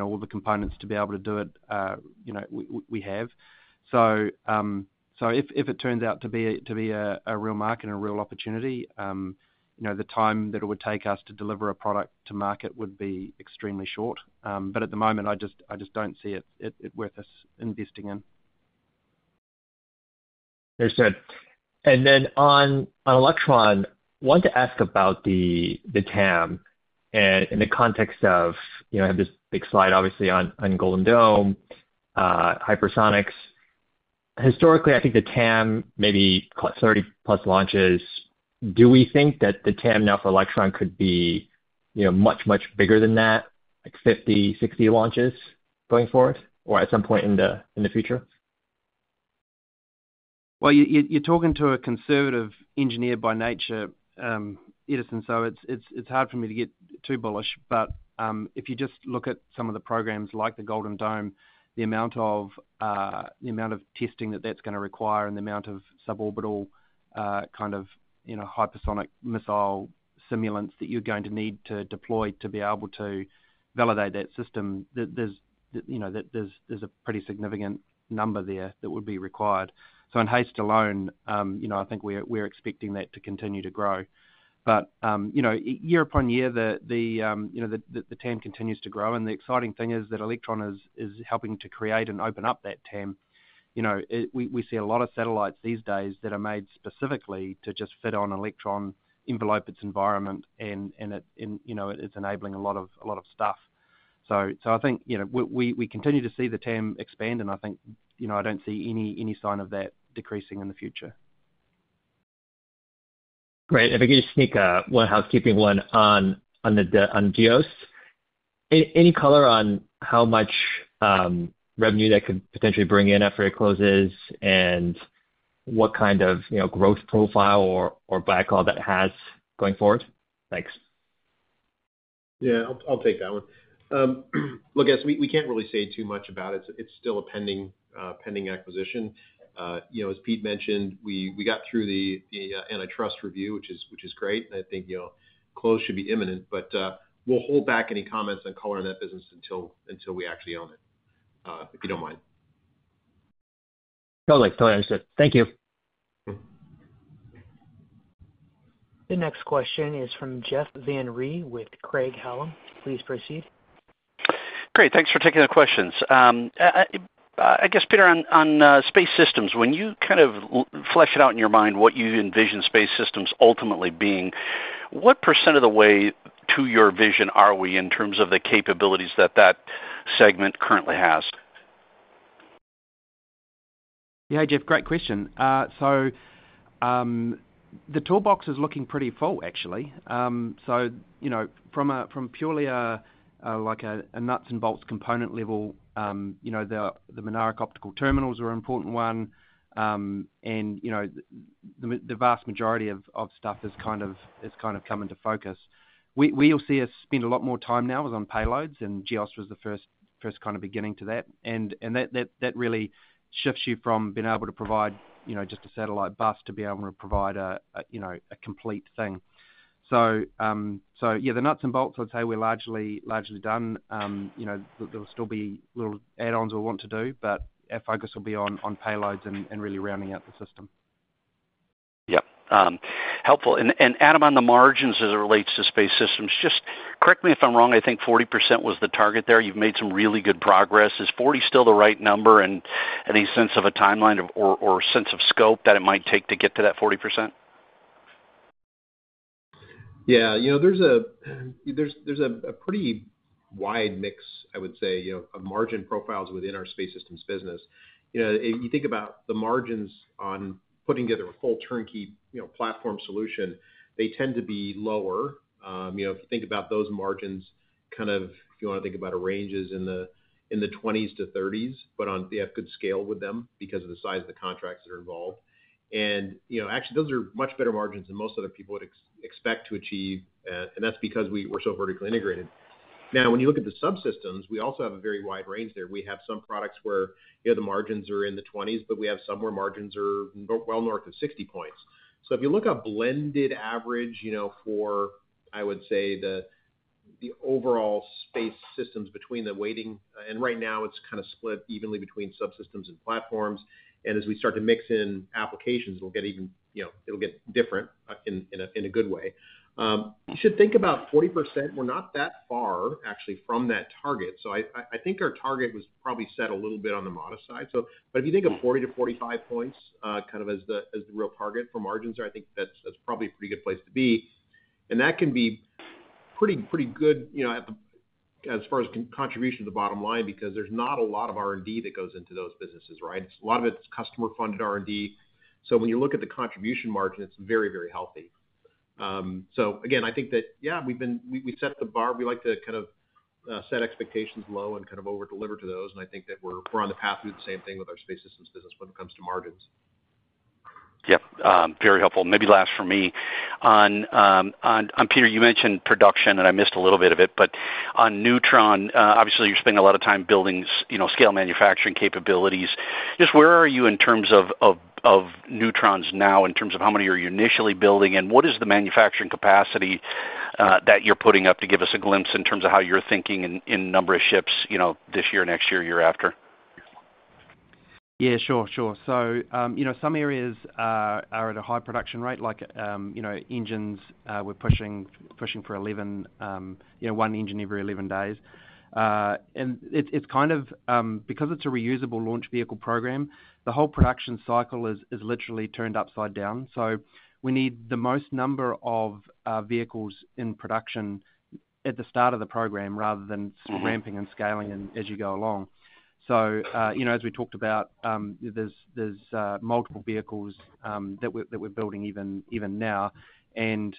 all the components to be able to do it, you know, we have. If it turns out to be a real market and a real opportunity, the time that it would take us to deliver a product to market would be extremely short. At the moment, I just don't see it worth investing in. That's good. On Electron, want to ask about the TAM in the context of, I have this big slide obviously on Golden Dome Hypersonics. Historically, I think the TAM maybe 30+ launches. Do we think that the TAM now for Electron could be much, much bigger than that, like 50, 60 launches going forward or at some point in the future? You're talking to a conservative engineer by nature, Edison, so it's hard for me to get too bullish. If you just look at some of the programs like the Golden Dome, the amount of testing that that's going to require and the amount of suborbital kind of, you know, hypersonic missile simulants that you're going to need to deploy to be able to validate that system, there's a pretty significant number there that would be required. In HASTE alone, I think we're expecting that to continue to grow. Year upon year the TAM continues to grow. The exciting thing is that Electron is helping to create and open up that TAM. You know, we see a lot of satellites these days that are made specifically to just fit on Electron envelope, its environment, and it's enabling a lot of stuff. I think we continue to see the TAM expand and I think I don't see any sign of that decreasing in the future. Great. If I could just take one housekeeping one on Geost, Inc., any color on how much revenue that could potentially bring in after it closes and what kind of growth profile or backlog that has going forward. Thanks. Yeah, I'll take that one. As we can't really say too much about it, it's still a pending acquisition. As Pete mentioned, we got through the antitrust review, which is great. I think close should be imminent, but we'll hold back any comments on color on that business until we actually own it, if you don't mind. Totally understood. Thank you. The next question is from Jeff Van Rhee with Craig-Hallum. Please proceed. Great.Thanks for taking the questions. I guess Peter, on Space Systems, when you kind of flesh it out in your mind what you envision Space Systems ultimately being, what percent of the way to your vision are we in terms of the capabilities that that segment currently has? Yeah, Jeff, great question. The toolbox is looking pretty full actually. You know, from purely like a nuts and bolts component level, the Mynaric optical terminals are an important one and the vast majority of stuff has kind of come into focus. You'll see us spend a lot more time now on payloads and Geost, Inc. is the first, first kind of beginning to that and that really shifts you from being able to provide just a satellite bus to being able to provide a complete thing. The nuts and bolts, I'd say we're largely, largely done. There will still be little add-ons we want to do, but our focus will be on payloads and really rounding out the system. Helpful. Adam, on the margins as it relates to Space Systems, just correct me if I'm wrong, I think 40% was the target there. You've made some really good progress. Is 40% still the right number, and any sense of a timeline or sense of scope that it might take to get to that 40%? Yeah, there's a pretty wide mix I would say of margin profiles within our Space Systems business. You think about the margins on putting together a full turnkey platform solution, they tend to be lower. Think about those margins, if you want to think about a range, in the 20%-30%, but on the good scale with them because of the size of the contracts that are involved. Actually, those are much better margins than most other people would expect to achieve. That's because we're so vertically integrated. Now, when you look at the subsystems, we also have a very wide range there. We have some products where the margins are in the 20%, but we have some where margins are well north of 60 points. If you look at blended average, for the overall Space Systems, between the weighting and right now, it's kind of split evenly between subsystems and platforms. As we start to mix in applications, it'll get different in a good way. You should think about 40%. We're not that far actually from that target. I think our target was probably set a little bit on the modest side. If you think of 40% to 45 points as the real target for margins, I think that's probably a pretty good place to be and that can be pretty good as far as contribution to the bottom line. There's not a lot of R&D that goes into those businesses. A lot of it's customer funded R&D. When you look at the contribution margin, it's very healthy. I think that we've been, we set the bar. We like to kind of set expectations low and over deliver to those. I think that we're on the path to do the same thing with our Space Systems business when it comes to margins. Yeah, very helpful. Maybe last for me on Peter, you mentioned production and I missed a little bit of it. On Neutron, obviously you're spending a lot of time building, you know, scale manufacturing capabilities. Just where are you in terms of Neutrons now, in terms of how many are you initially building and what is the manufacturing capacity that you're putting up to? Give us a glimpse in terms of how you're thinking in number of ships, you know, this year, next year, year after. Yeah, sure, sure. Some areas are at a high production rate. Like, you know, engines, we're pushing for one engine every 11 days. It's kind of because it's a reusable launch vehicle program, the whole production cycle is literally turned upside down. We need the most number of vehicles in production at the start of the program rather than ramping and scaling as you go along. As we talked about, there's multiple vehicles that we're building even now. A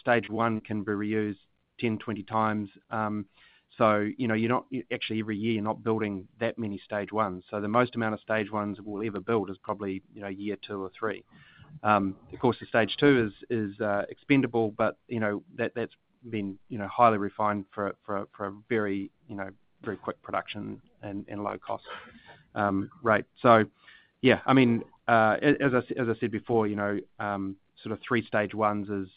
stage one can be reused 10, 20 times, so you're not actually every year building that many stage ones. The most amount of stage ones we'll ever build is probably year two or three. Of course, the stage two is expendable, but that's been highly refined for a very quick production and low cost. Right. As I said before, sort of three stage ones is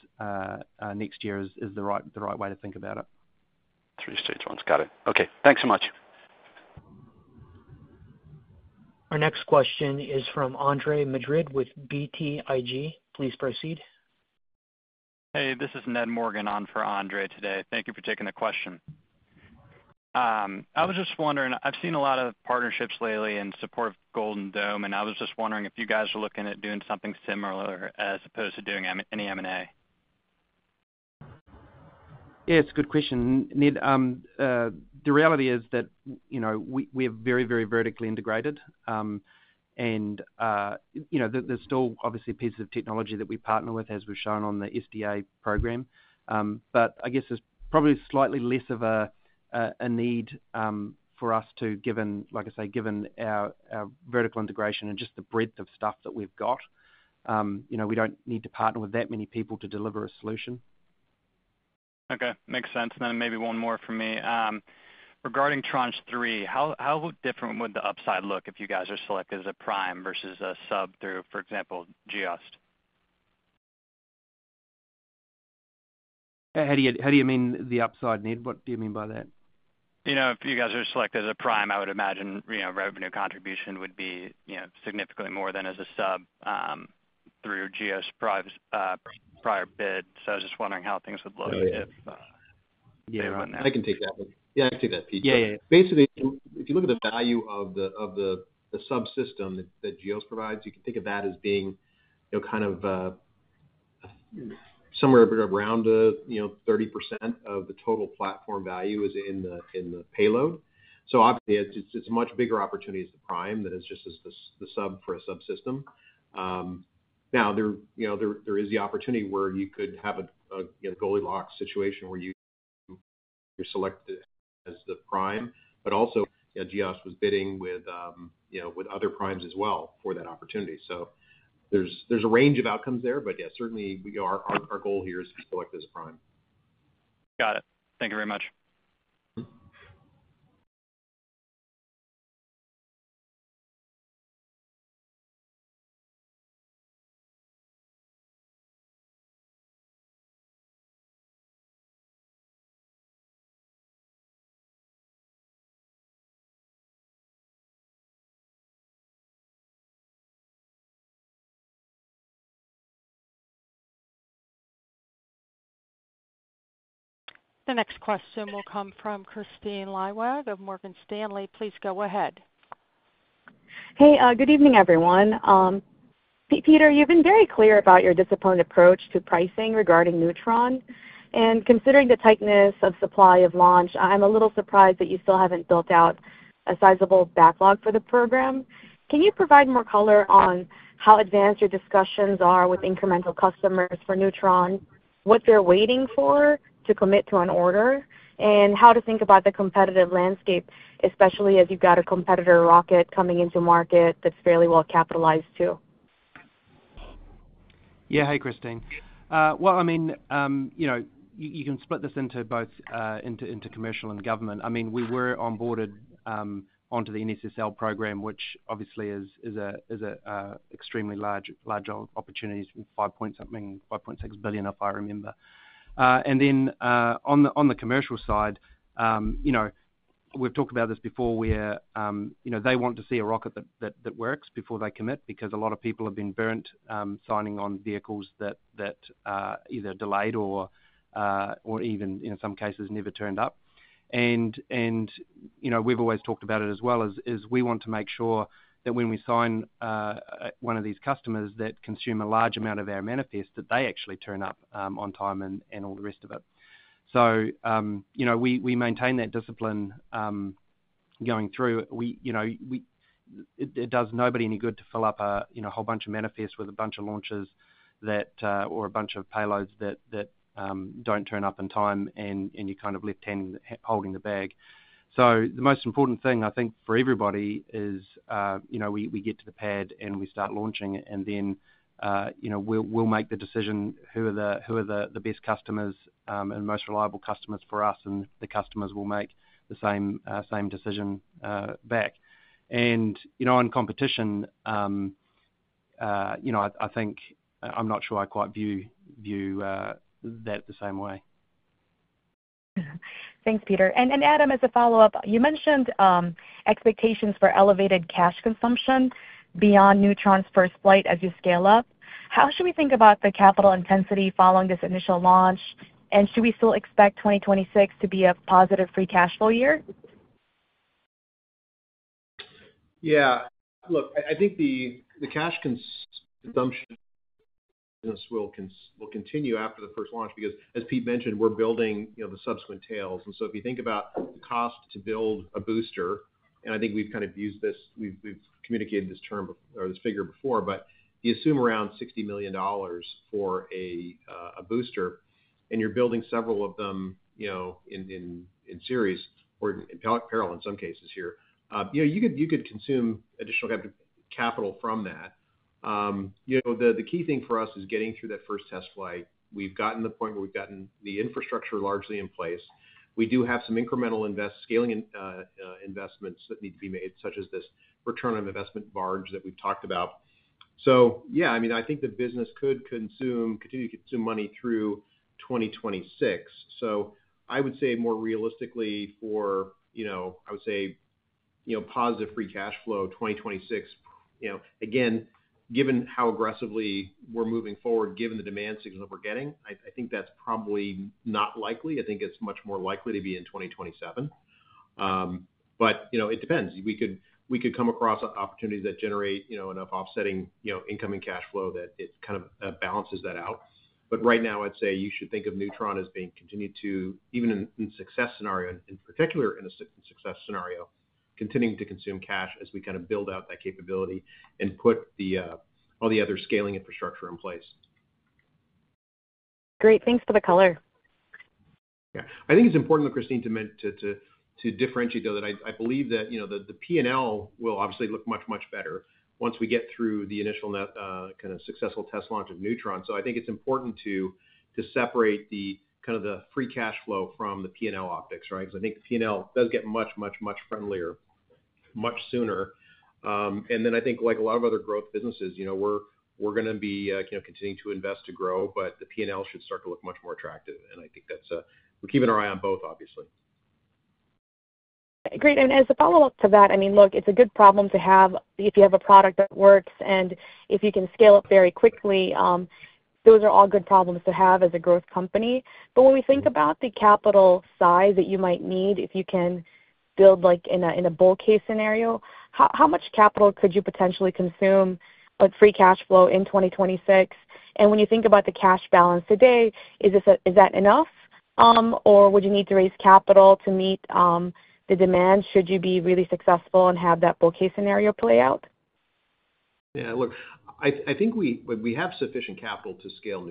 next year is the right way to think about it. Three stage ones. Got it. Okay, thanks so much. Our next question is from Andre Madrid with BTIG. Please proceed. Hey, this is Ned Morgan on for Andre Madrid today. Thank you for taking the question. I was just wondering. I've seen a lot of partnerships lately in support of Golden Dome, and I was just wondering if you guys are looking at doing something similar as opposed to doing any M&A. Yes, good question, Ned. The reality is that we are very, very vertically integrated, and you know, there's still obviously pieces of technology that we partner with, as we've shown on the SDA program. I guess there's probably slightly less of a need for us to, given, like I say, given our vertical integration and just the breadth of stuff that we've got, you know, we don't need to partner with that many people to deliver a solution. Okay, makes sense. Maybe one more for me. Regarding Tranche 3, how different would the upside look if you guys are selected as a prime versus a sub through, for example, Geost, Inc.? How do you mean the upside, Ned? What do you mean by that? You know, if you guys are selected. As a prime, I would imagine, you know, revenue contribution would be, you know, significantly more than as a sub through Geost, Inc. prior bid. I was just wondering how things would look if. Yeah, I can take that one. Yeah, I think that if you look at the value of the subsystem that Geost, Inc. provides, you can think of that as being, you know, kind of. Somewhere. Around, you know, 30% of the total platform value is in the payload. Obviously, it's a much bigger opportunity as the prime than it is just as the sub for a subsystem. Now, there is the opportunity where you could have a Goldilocks situation where you're selected as the prime. Also, Geost, Inc. was bidding with other primes as well for that opportunity. There's a range of outcomes there. Yeah, certainly we are. Our goal here is to be selected as a prime. Got it. Thank you very much. The next question will come from Kristine Liwag of Morgan Stanley. Please go ahead. Hey, good evening, everyone. Peter, you've been very clear about your disciplined approach to pricing regarding Neutron. Considering the tightness of supply of launch, I'm a little surprised that you still haven't built out a sizable backlog for the program. Can you provide more color on how advanced your discussions are with incremental customers for Neutron, what they're waiting for to commit to an order, and how to think about the competitive landscape, especially as you've got a competitor rocket coming into market that's fairly well capitalized too. Yeah. Hey, Kristine. You can split this into both commercial and government. We were onboarded onto the NSSL program, which obviously is an extremely large opportunity. $5.6 billion, if I remember. On the commercial side, we've talked about this before, where they want to see a rocket that works before they commit because a lot of people have been burnt signing on vehicles that either delayed or even in some cases never turned up. We've always talked about it as well. We want to make sure that when we sign one of these customers that consume a large amount of our manifest, that they actually turn up on time and all the rest of it. We maintain that discipline going through. It does nobody any good to fill up a whole bunch of manifests with a bunch of launches or a bunch of payloads that don't turn up in time, and you're kind of left hand holding the bag. The most important thing I think for everybody is we get to the pad and we start launching. We'll make the decision who are the best customers and most reliable customers for us, and the customers will make the same decision back. On competition, I think. I'm not sure I quite view that the same way. Thanks, Peter. Adam, as a follow up, you mentioned expectations for elevated cash consumption beyond Neutron's first flight. As you scale up, how should we think about the capital intensity following this initial launch? Should we still expect 2026 to be a positive free cash flow year? Yeah, look, I think the cash consumption will continue after the first launch because as Pete mentioned, we're building the subsequent tails. If you think about cost to build a booster, and I think we've kind of used this, we've communicated this term or this figure before, but you assume around $60 million for a booster and you're building several of them in series or parallel in some cases here, you could consume additional capital from that. The key thing for us is getting through that first test flight. We've gotten to the point where we've gotten the infrastructure largely in place. We do have some incremental scaling investments that need to be made, such as this return on investment barge that we've talked about. I think the business could continue to consume money through 2026. I would say more realistically for positive free cash flow, 2026. Again, given how aggressively we're moving forward, given the demand signals that we're getting, I think that's probably not likely. I think it's much more likely to be in 2027. It depends. We could come across opportunities that generate enough offsetting incoming cash flow that it kind of balances that out. Right now I'd say you should think of Neutron as being continued to, even in a success scenario, in particular in a success scenario, continuing to consume cash as we kind of build out that capability and put all the other scaling infrastructure in place. Great. Thanks for the color. Yeah. I think it's important, Kristine, to differentiate though, that I believe that the P&L will obviously look much, much better once we get through the initial kind of successful test launch of Neutron. I think it's important to separate the kind of the free cash flow from the P&L optics. Right. Because I think the P&L does get much, much, much friendlier much sooner. I think like a lot of other growth businesses, we're going to be continuing to invest to grow, but the P&L should start to look much more attractive. I think that's—we're keeping our eye on both, obviously. Great. As a follow up to that, I mean, look, it's a good problem to have if you have a product that works and if you can scale up very quickly, those are all good problems to have as a growth company. When we think about the capital size that you might need if you can build, like in a bull case scenario, how much capital could you potentially consume free cash flow in 2026? When you think about the cash balance today, is that enough or would you need to raise capital to meet the demand? Should you be really successful and have that bull case scenario play out? Yeah, look, I think we have sufficient capital to scale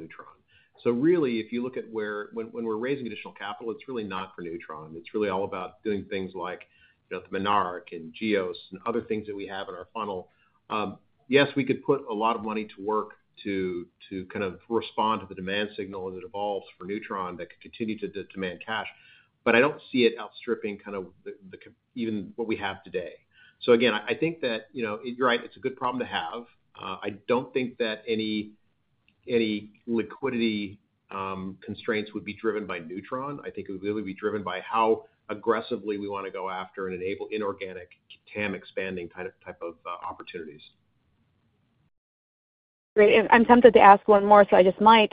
Neutron. If you look at where, when we're raising additional capital, it's really not for Neutron, it's really all about doing things like Mynaric and Geost, Inc. and other things that we have in our funnel. Yes, we could put a lot of money to work to kind of respond to the demand signal as it evolves. For Neutron, that could continue to demand cash, but I don't see it outstripping even what we have today. I think that you're right. It's a good problem to have. I don't think that any liquidity constraints would be driven by Neutron. I think it would really be driven by how aggressively we want to go after and enable inorganic TAM expanding type of opportunities. Great. I'm tempted to ask one more, so I just might.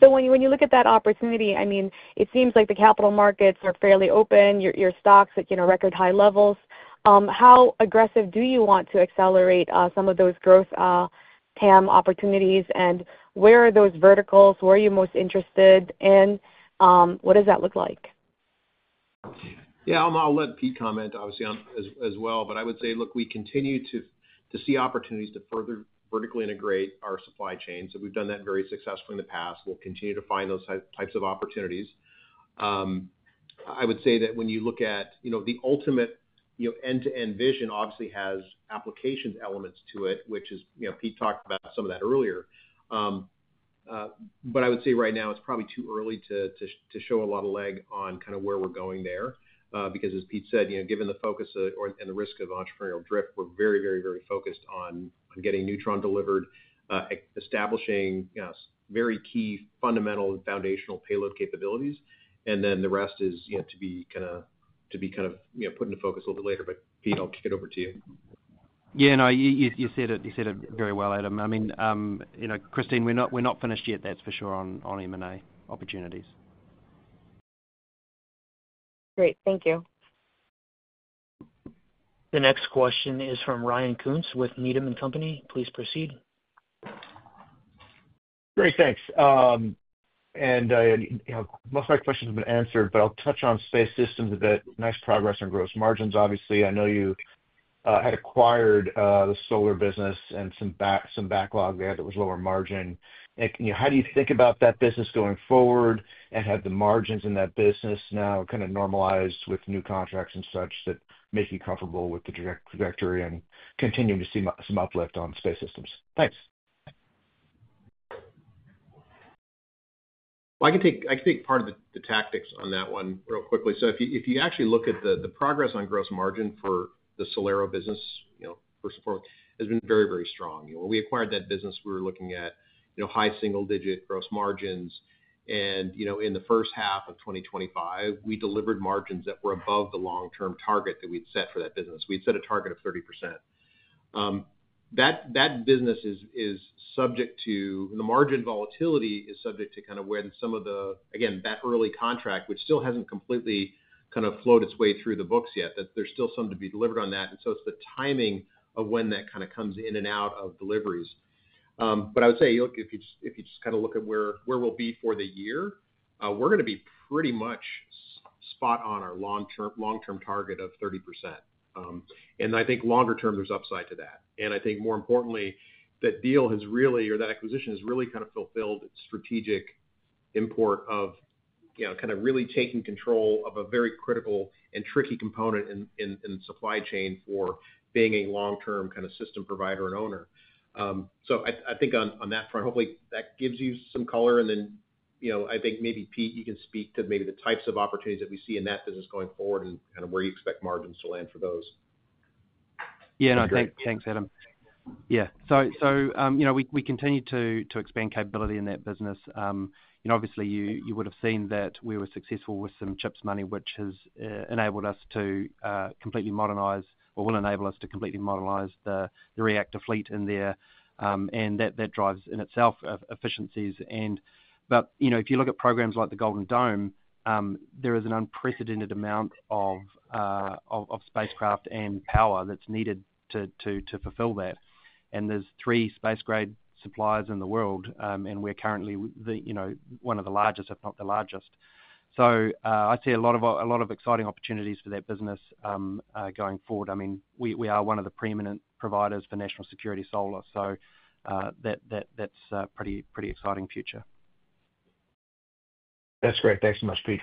When you look at that opportunity, it seems like the capital markets are fairly open, your stock's at record high levels. How aggressive do you want to accelerate some of those growth TAM opportunities and where are those verticals? Where are you most interested and what does that look like? Yeah, I'll let Pete comment obviously as well. I would say, look, we continue to see opportunities to further vertically integrate our supply chain. We've done that very successfully in the past. We'll continue to find those types of opportunities. I would say that when you look at the ultimate end-to-end vision, obviously has applications elements to it, which is. Pete talked about some of that earlier. I would say right now it's probably too early to show a lot of leg on kind of where we're going there because as Pete said, given the focus and the risk of entrepreneurial drift, we're very, very, very focused on getting Neutron delivered, establishing very key fundamental foundational payload capabilities. The rest is to be kind of put into focus a little bit later. Pete, I'll kick it over to you. Yeah, you said it very well, Adam. I mean, Kristine, we're not finished yet, that's for sure, on M&A opportunities. Great, thank you. The next question is from Ryan Koontz with Needham and Company. Please proceed. Great, thanks. Most of my questions have been answered, but I'll touch on Space Systems a bit. Nice progress on gross margins. Obviously I know you had acquired the solar business and some backlog there that was lower margin. How do you think about that business going forward and have the margins in that business now kind of normalized with new contracts and such that make you comfortable with the trajectory and continuing to see some uplift on Space Systems. Thanks. I can take part of the tactics on that one real quickly. If you actually look at the progress on gross margin for the SolAero business, first and foremost, it has been very, very strong. When we acquired that business, we were looking at high single digit gross margins. In the first half of 2025, we delivered margins that were above the long term target that we'd set for that business. We'd set a target of 30%. That business is subject to the margin volatility, is subject to kind of when some of the, again, that early contract which still hasn't completely kind of flowed its way through the books yet, there's still some to be delivered on that. It's the timing of when that kind of comes in and out of deliveries. I would say look, if you just kind of look at where we'll be for the year, we're going to be pretty much spot on our long-term target of 30%. I think longer term there's upside to that. More importantly, that deal or that acquisition has really kind of fulfilled its strategic import of really taking control of a very critical and tricky component in supply chain for being a long-term system provider and owner. I think on that front, hopefully that gives you some color. I think maybe Pete, you can speak to the types of opportunities that we see in that business going forward and where you expect margins to land for those. Yeah, thanks, Adam. Yeah, we continue to expand capability in that business. Obviously, you would have seen that we were successful with some chips money, which has enabled us to completely modernize or will enable us to completely modernize the reactor fleet in there. That drives in itself efficiencies, and if you look at programs like the Golden Dome, there is an unprecedented amount of spacecraft and power that's needed to fulfill that. There are three space grade suppliers in the world, and we're currently one of the largest, if not the largest. I see a lot of exciting opportunities for that business going forward. I mean, we are one of the preeminent providers for national security solar, so that's a pretty exciting future. That's great. Thanks so much, Peter.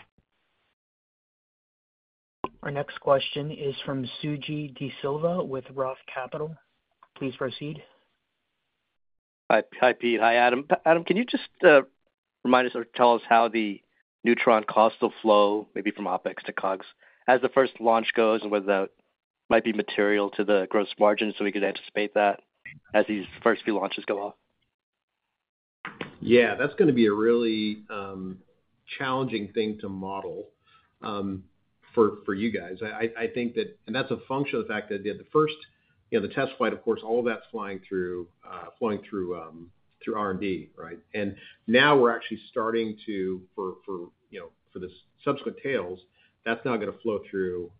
Our next question is from Suji Desilva with Roth Capital. Please proceed. Hi, Pete. Hi, Adam. Can you just remind us? Tell us how the Neutron cost of flow maybe from OpEx to COGS as the first launch goes, and whether that might be material to the gross margin. We could anticipate that as these first few launches go off? Yeah, that's going to be a really challenging thing to model for you guys. I think that’s a function of the fact that the first, the test flight, of course, all that's flowing through R&D, right? Now we're actually starting to, for this subsequent tails, that's not going to flow through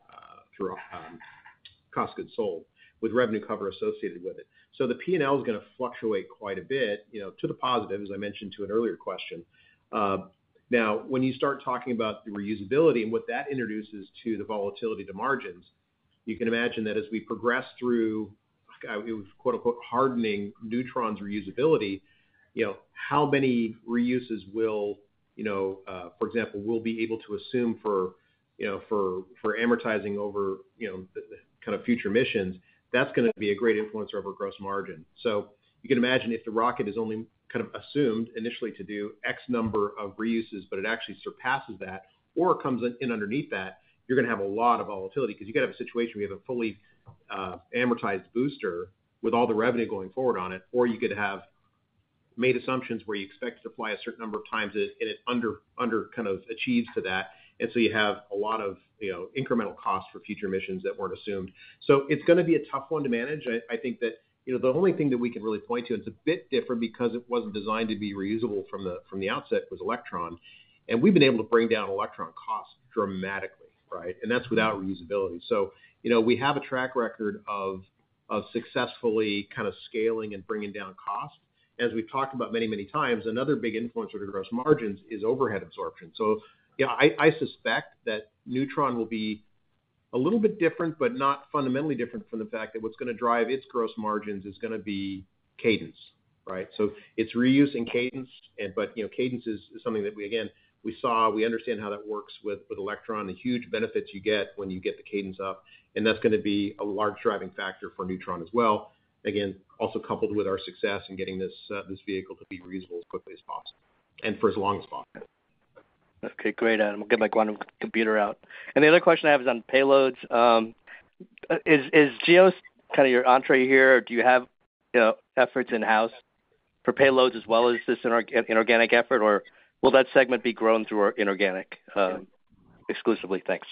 cost of goods sold with revenue cover associated with it. The P&L is going to fluctuate quite a bit, to the positive. As I mentioned to an earlier question, now, when you start talking about the reusability and what that introduces to the volatility to margins, you can imagine that as we progress through, quote, unquote, hardening Neutron's reusability, how many reuses will, for example, we'll be able to assume for amortizing over future missions, that's going to be a great influencer of gross margin. You can imagine if the rocket is only kind of assumed initially to do X number of reuses, but it actually surpasses that or comes in underneath that, you're going to have a lot of volatility because you could have a situation where you have a fully amortized booster with all the revenue going forward on it, or you could have made assumptions where you expect to fly a certain number of times and it under achieves to that. You have a lot of incremental costs for future missions that weren't assumed. It's going to be a tough one to manage. I think the only thing that we can really point to, it's a bit different because it wasn't designed to be reusable from the outset, was Electron. We've been able to bring down Electron costs dramatically, right? That's without reusability. We have a track record of successfully kind of scaling and bringing down cost, as we've talked about many, many times. Another big influencer to gross margins is overhead absorption. I suspect that Neutron will be a little bit different, but not fundamentally different from the fact that what's going to drive its gross margins is going to be cadence. Right? It's reusing cadence. Cadence is something that we again we saw, we understand how that works with Electron. The huge benefits you get when you get the cadence up, and that's going to be a large driving factor for Neutron as well. Also coupled with our success in getting this, this vehicle to be reusable as quickly as possible and for as long as possible. Okay, great, Adam, get my quantum computer out. The other question I have is on payloads. Is Geost, Inc. kind of your entree here? Do you have efforts in house for payloads as well as this inorganic effort. Or will that segment be grown through inorganic exclusively? Thanks.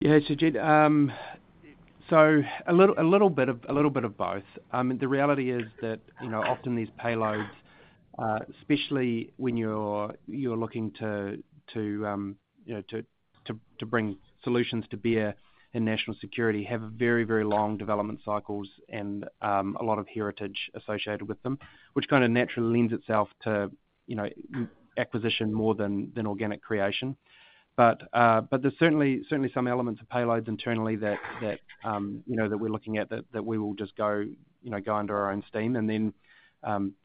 Yeah, Suji. A little bit of both. I mean, the reality is that often these payloads, especially when you're looking to bring solutions to bear in national security, have very, very long development cycles and a lot of heritage associated with them, which kind of naturally lends itself to acquisition more than organic creation. There's certainly some elements of payloads internally that we're looking at that we will just go under our own steam.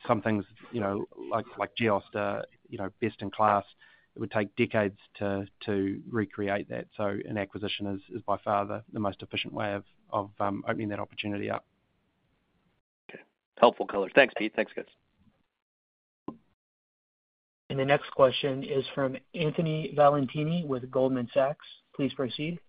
Some things like Geost, Inc., best in class. It would take decades to recreate that. An acquisition is by far the most efficient way of opening that opportunity up. Okay, helpful color. Thanks, Pete. Thanks, guys. The next question is from Anthony Valentini with Goldman Sachs. Please proceed.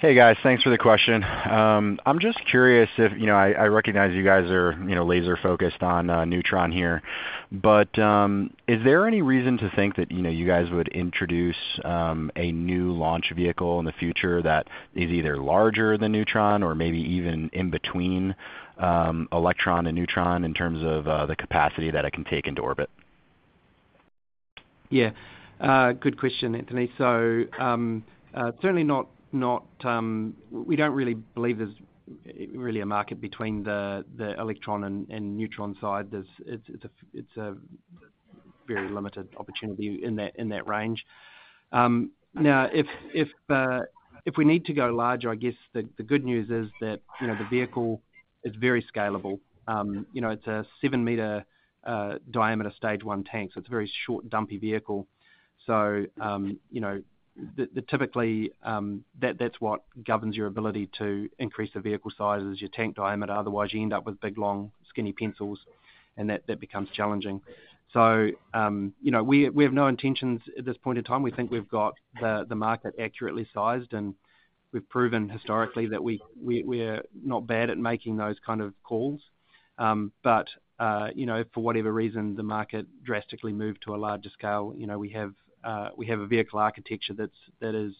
Hey guys, thanks for the question. I'm just curious if, you know, I recognize you guys are laser focused on Neutron here, but is there any reason to think that you guys would introduce a new launch vehicle in the future that is either larger than Neutron or maybe even in between Electron and Neutron in terms of the capacity that it can take into orbit? Yeah, good question, Anthony. Certainly not. We don't really believe there's really a market between the Electron and Neutron side. It's a very limited opportunity in that range. If we need to go larger, the good news is that the vehicle is very scalable. It's a seven meter diameter stage one tank. It's a very short, dumpy vehicle. Typically that's what governs your ability to increase the vehicle size, is your tank diameter. Otherwise, you end up with big, long, skinny pencils and that becomes challenging. We have no intentions at this point in time. We think we've got the market accurately sized and we've proven historically that we're not bad at making those kind of calls. For whatever reason, if the market drastically moved to a larger scale, we have a vehicle architecture that is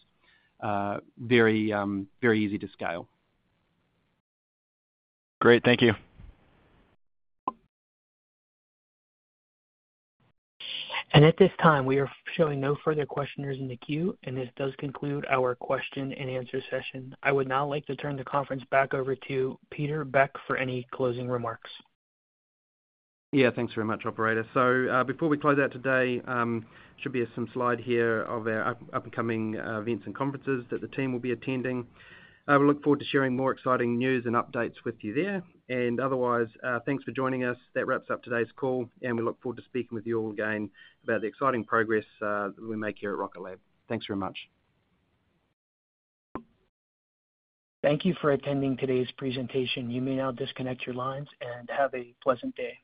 very, very easy to scale. Great, thank you. At this time, we are showing no further questioners in the queue. This does conclude our question and answer session. I would now like to turn the conference back over to Peter Beck for any closing remarks. Yeah, thanks very much, operator. Before we close out today, there should be some slide here of our up and coming events and conferences that the team will be attending. We look forward to sharing more exciting news and updates with you there and otherwise. Thanks for joining us. That wraps up today's call and we look forward to speaking with you all again about the exciting progress we make at Rocket Lab thanks very much. Thank you for attending today's presentation. You may now disconnect your lines and have a pleasant day.